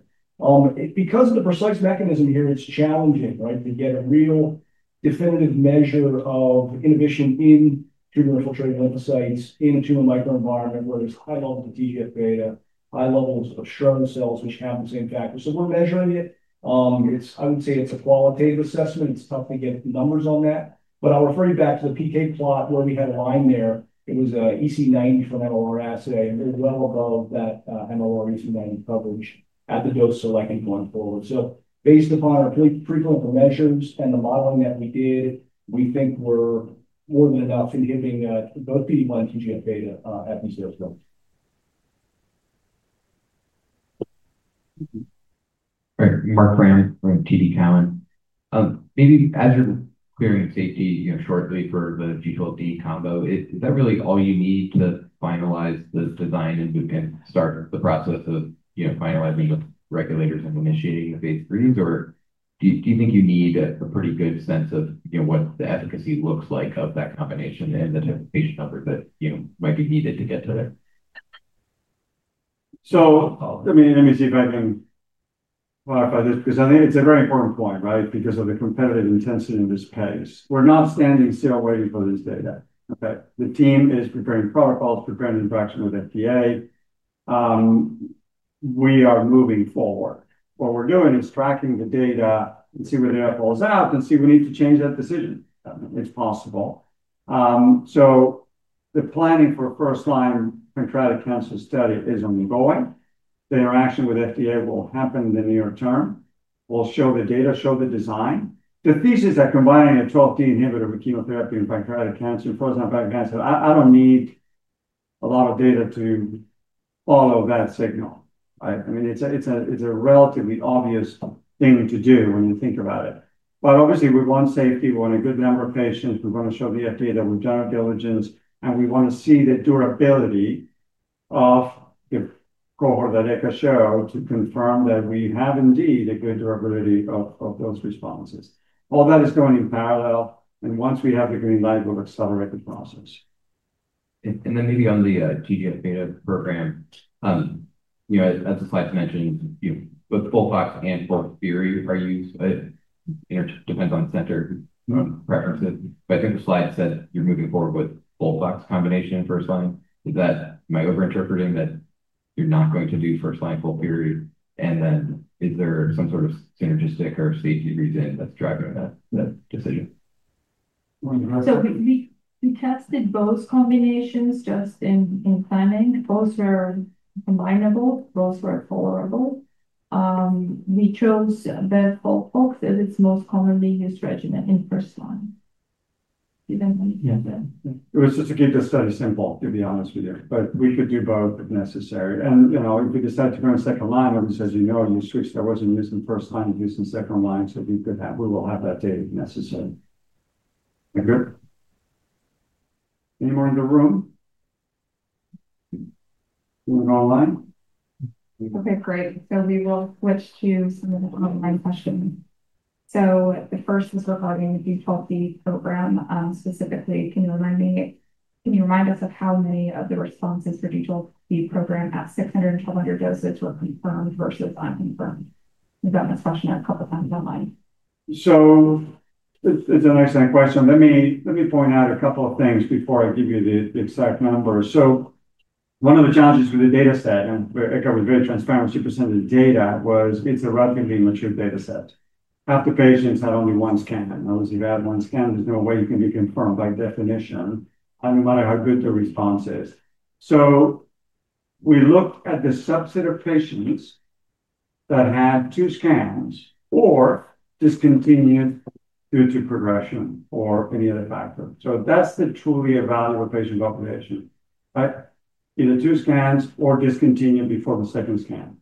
because of the precise mechanism here. It's challenging to get a real definitive measure of inhibition in tumor infiltrated lymphocytes in a tumor microenvironment where there's. High levels of TGFβ, high levels. Of Schron cells which have the same factor. We're measuring it. I would say it's a qualitative assessment. It's tough to get numbers on that. I'll refer you back to the PK plot where we had a line there. It was EC90 from MLR assay, well above that MLR, EC90 coverage at the dose selecting going forward. Based upon our preclinical measures and the modeling that we did, we think we're more than enough in giving both PD-1 and TGFβ episodes. Mark Frahm from TD Cowen, maybe as you're clearing safety shortly for the G12D combo, is that really all you need to finalize the design and start the process of finalizing the regulators and initiating the phase IIIs? Or do you think you need a pretty good sense of what the efficacy looks like of that combination and the patient number that might be needed to get to there? Apologies. Let me see if I can clarify this because I think it's a very important point, right. Because of the competitive intensity in this space, we're not standing still waiting for this data. The team is preparing protocols, preparing interaction with FDA. We are moving forward. What we're doing is tracking the data and seeing where the air falls out and seeing if we need to change that decision. It's possible. The planning for first-line pancreatic cancer study is ongoing. The interaction with FDA will happen in the near term. We'll show the data, show the design. The thesis that combining a G12D inhibitor with chemotherapy in pancreatic cancer holds, and I don't need a lot of data to follow that signal. It's a relatively obvious thing to do when you think about it. Obviously, we want safety, we want a good number of patients. We're going to show the FDA that we've done our diligence and we want to see the durability of the cohort that echoes show to confirm that we have indeed a good durability of those responses. All that is going in parallel. Once we have the green light, we'll accelerate the process. Maybe on the TGFβ program, as the slides mentioned, both FOLFOX and FOLFIRI are used depending on center preferences. I think the slide said you're moving forward with FOLFOX combination in first line. Is that am I overinterpreting that you're not going to do first line full period? Is there some sort of synergistic or safety reason that's driving that decision? We tested both combinations just in planning. Both were combinable, both were tolerable. We chose FOLFOX as it's the most commonly used regimen in first line. It was just to keep the study simple, to be honest with you. We could do both if necessary, and you know, if we decide to go in second line or just as you know, you switch. That wasn't used in first line, using second line. We could have, we will have that data necessary anymore in the room online. Okay, great. We will switch to some of the online questions. The first was regarding the G12D program specifically. Can you remind me, can you remind us of how many of the responses for the G12D program at 600 mg, 1,200 mg doses were confirmed versus unconfirmed? We've gotten this question a couple times online. It's an excellent question. Let me point out a couple of things before I give you the exact numbers. One of the challenges with the data set, and where Eka was very transparent, she presented the data, is it's a relatively mature data set. After patients had only one scan, one scan, there's no way you can be confirmed by definition, no matter how good the response is. We looked at the subset of patients that had two scans or discontinued due to progression or any other factor. That's the truly evaluate patient population, either two scans or discontinued before the second scan.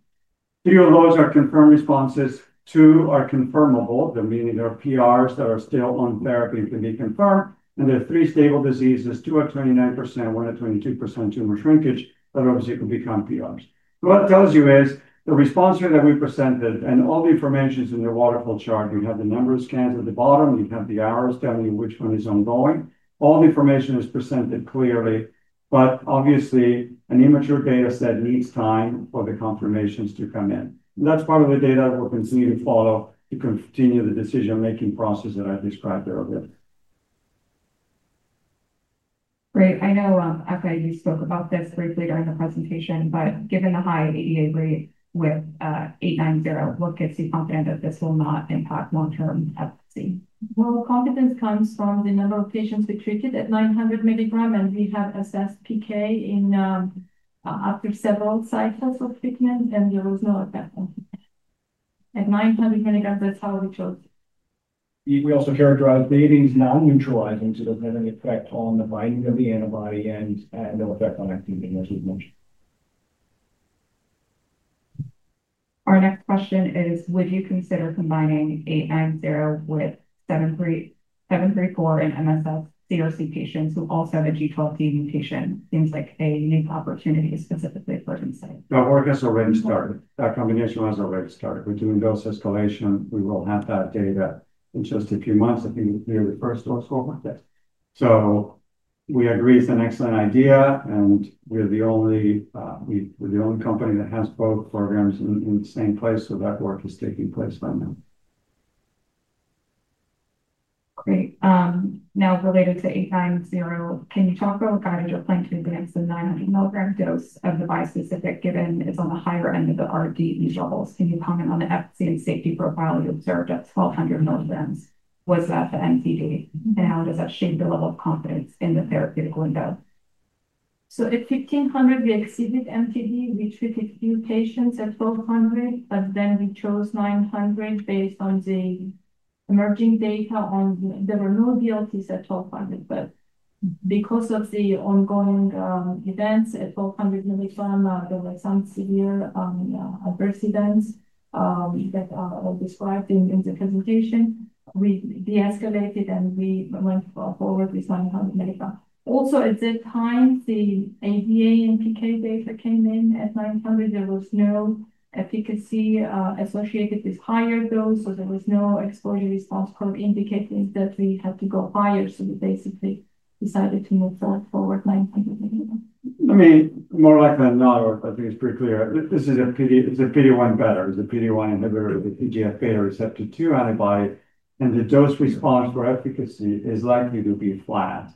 Three of those are confirmed responses, two are confirmable, meaning there are PRs that are still on therapy to be confirmed, and there are three stable diseases. Two are 29%, one at 22% tumor shrinkage. Others obviously could become PRs. What that tells you is the response rate that we presented, and all the information is in your waterfall chart. You have the number of scans at the bottom, you have the arrows telling you which one is ongoing. All the information is presented clearly. Obviously, an immature data set needs time for the confirmations to come in. That's part of the data we'll continue to follow to continue the decision-making process that I described earlier. Great. I know Eka, you spoke about this briefly during the presentation, but given the high ADA rate with INCA0890, what gets you confident that this will not impact long-term efficacy? Confidence comes from the number of patients we treated at 900 mg, and we have assessed PK after several cycles of treatment, and there was no at 900 mg. That's how we chose. We also characterize babies non-neutralizing it doesn't have any effect on the binding of the antibody, and no effect. On activity, as we mentioned. Our next question is would you consider combining INCA0890 with INCA0734 in MSS CRC patients who also have a G12D mutation? Seems like a unique opportunity specifically for Incyte? The work has already started. That combination has already started. We're doing dose escalation. We will have that data in just a few months, I think, near the first dose. We agree it's an excellent idea, and we're the only company that has both programs in the same place. That work is taking place. Great. Now related to 0890, can you talk about what guided your plan to advance the 900 mg dose of the bispecific given it's on the higher end of the recommended dose levels. Can you comment on the efficacy and safety profile you observed at 1,200 mg? Was that the MTD? How does that shape the level of confidence in the therapeutic window? At 1,500 we exceeded MTD. We treated few patients at 1,200, but then we chose 900 based on the emerging data. There were no GI toxicities at 1,200. Because of the ongoing events at 1,200 mg, there were some severe adverse events that are described in the presentation. We de-escalated and we went forward with 900 mg. Also, at that time the ADA and PK data came in at 900. There was no efficacy associated with higher dose. There was no exposure response curve indicating that we had to go higher. We basically decided to move forward. I mean more likely than not. I think it's pretty clear this is a PD. It's a PD-1, better the PD-1 inhibitor with the TGFβ receptor 2 antibody. The dose response for efficacy is likely to be flat.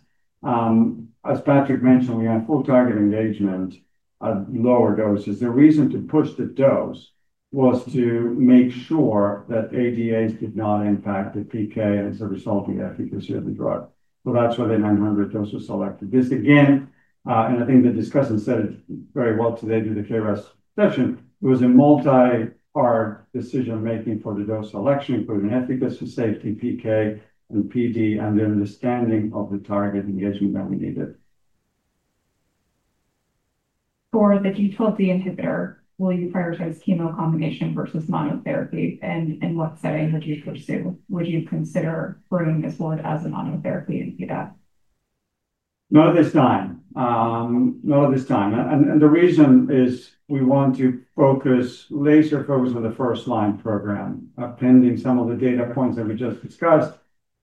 As Patrick mentioned, we have full target engagement at lower doses. The reason to push the dose was to make sure that ADAs did not impact the PK, as a result the efficacy of the drug. That's why the 900 dose was selected. This again, and I think the discussion said it very well today at the KRAS session, it was a multi-part decision making for the dose selection including efficacy, safety, PK and PD, and the understanding of the target engagement that we needed. For the G12D inhibitor, will you prioritize chemo combination versus monotherapy? In what setting would you pursue? Would you consider bringing this forward as a monotherapy in PDAC? Not at this time. The reason is we want to focus, laser focus, on the first line program, appending some of the data points that we just discussed.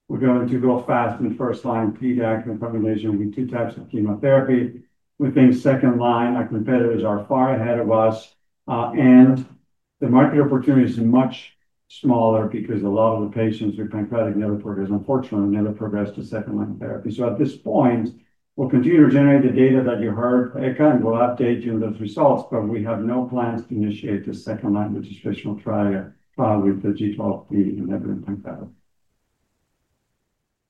We're going to go fast in first line PDAC combination with two types of chemotherapy. Within second line, our competitors are far ahead of us and the market opportunity is much smaller because a lot of the patients with pancreatic nerve reporters unfortunately never progress to second line therapy. At this point, we'll continue to generate the data that you heard Eka, and we'll update you on those results. We have no plans to initiate the second line, which is traditional triad with the G12D and everything.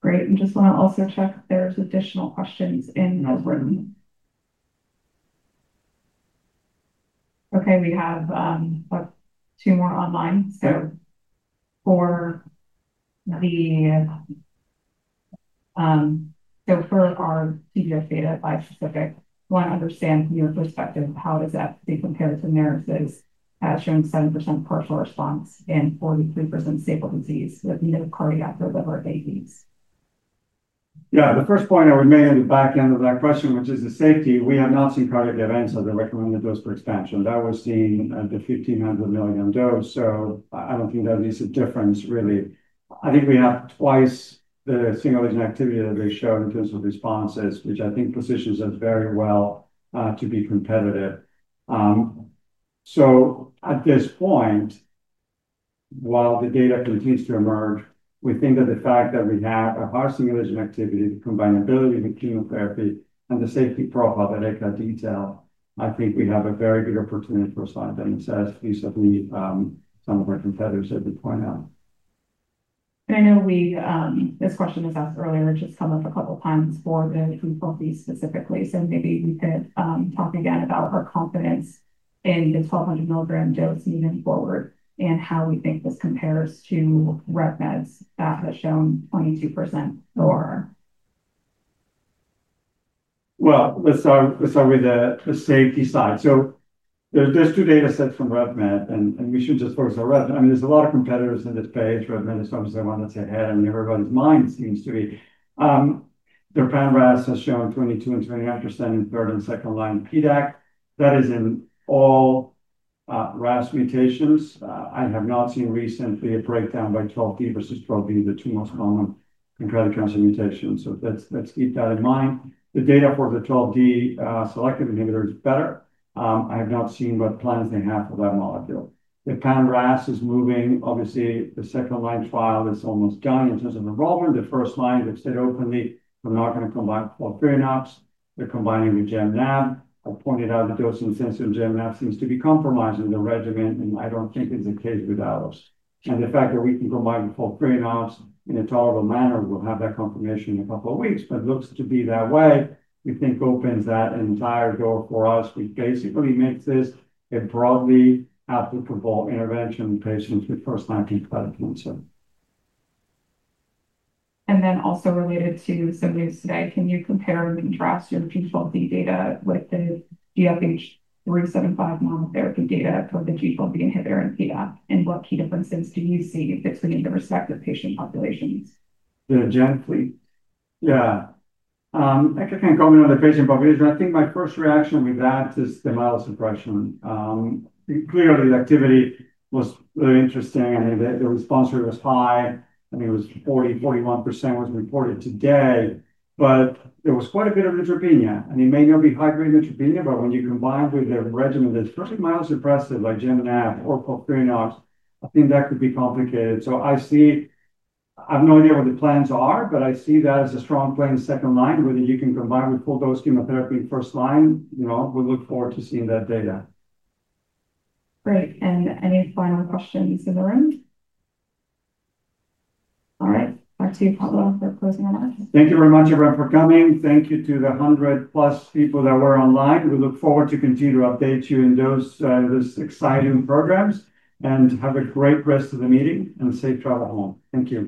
Great. I just want to also check if there's additional questions in the room. Okay. We have two more online. For the for our CGF data, bispecific, want to understand from your perspective, how does FC compare to nurses showing 7% partial response and 43% stable disease with no cardiac or liver babies? Yeah, the first point I would make on the back end of that question, which is the safety. We have not seen cardiac events at the recommended dose for expansion. That was seen at the 1,500 mg dose. I don't think that is a difference really. I think we have twice the single lesion activity that they showed in terms of responses, which I think positions us very well to be competitive. At this point, while the data continues to emerge, we think that the fact that we have a harsh simulation activity, the combinability with chemotherapy, and the safety profile that Eka detailed, I think we have a very good opportunity for scientists. Some of our competitors have been point. I know this question was asked earlier, which has come up a couple times specifically, so maybe we could talk again about our confidence in the 1,200 mg dose moving forward and how we think this compares to Revolution Medicines that has shown 22% or? Let's start with the safety side. There are two data sets from Revolution Medicines and we should just focus on Revolution Medicines. I mean, there are a lot of competitors in this space. Revolution Medicines is obviously the one that's ahead and everybody's mind seems to be that the pan-KRAS has shown 22% and 29% in third and second line PDAC. That is in all KRAS mutations. I have not seen recently a breakdown by G12D versus G12V, the two most common in KRAS mutations. Let's keep that in mind. The data for the G12D selective inhibitor is better. I have not seen what plans they have for that molecule. The pan-KRAS is moving; obviously, the second line trial is almost done in terms of enrollment. The first line, they've said openly, they're not going to combine FOLFIRINOX. They're combining with gem ab. I pointed out the dose and gem ab seems to be compromising the regimen, and I don't think it's the case with ours and the fact that we can provide full FOLFIRINOX in a tolerable manner. We'll have that confirmation in a couple of weeks, but it looks to be that way. We think it opens that entire door for us, which basically makes this a broadly applicable intervention in patients with first line cold cancer. Also related to some news today, can you compare and contrast your G12D data with the DFH375 monotherapy data for the KRAS G12D inhibitor and PDAC? What key differences do you see between the respective patient populations? Gen fleet, yeah, I can comment on the patient population. I think my first reaction with that is the mild suppression. Clearly, the activity was really interesting. I mean, the response rate was high. I mean, it was 40%, 41% was reported today, but there was quite a bit of neutropenia, and it may not be high grade neutropenia, but when you combine with a regimen that's perfectly mild suppressive, like gem abraxane or poly, I think that could be complicated. I see, I have no idea what the plans are, but I see that as a strong plan. Second line, whether you can combine with full dose chemotherapy for first line. You know, we look forward to seeing that data. Great. Any final questions in the room? All right, back to Pablo for closing remarks. Thank you very much everyone for coming. Thank you to the 100+ people that were online. We look forward to continue to update you in these exciting programs and have a great rest of the meeting and safe travel home. Thank you.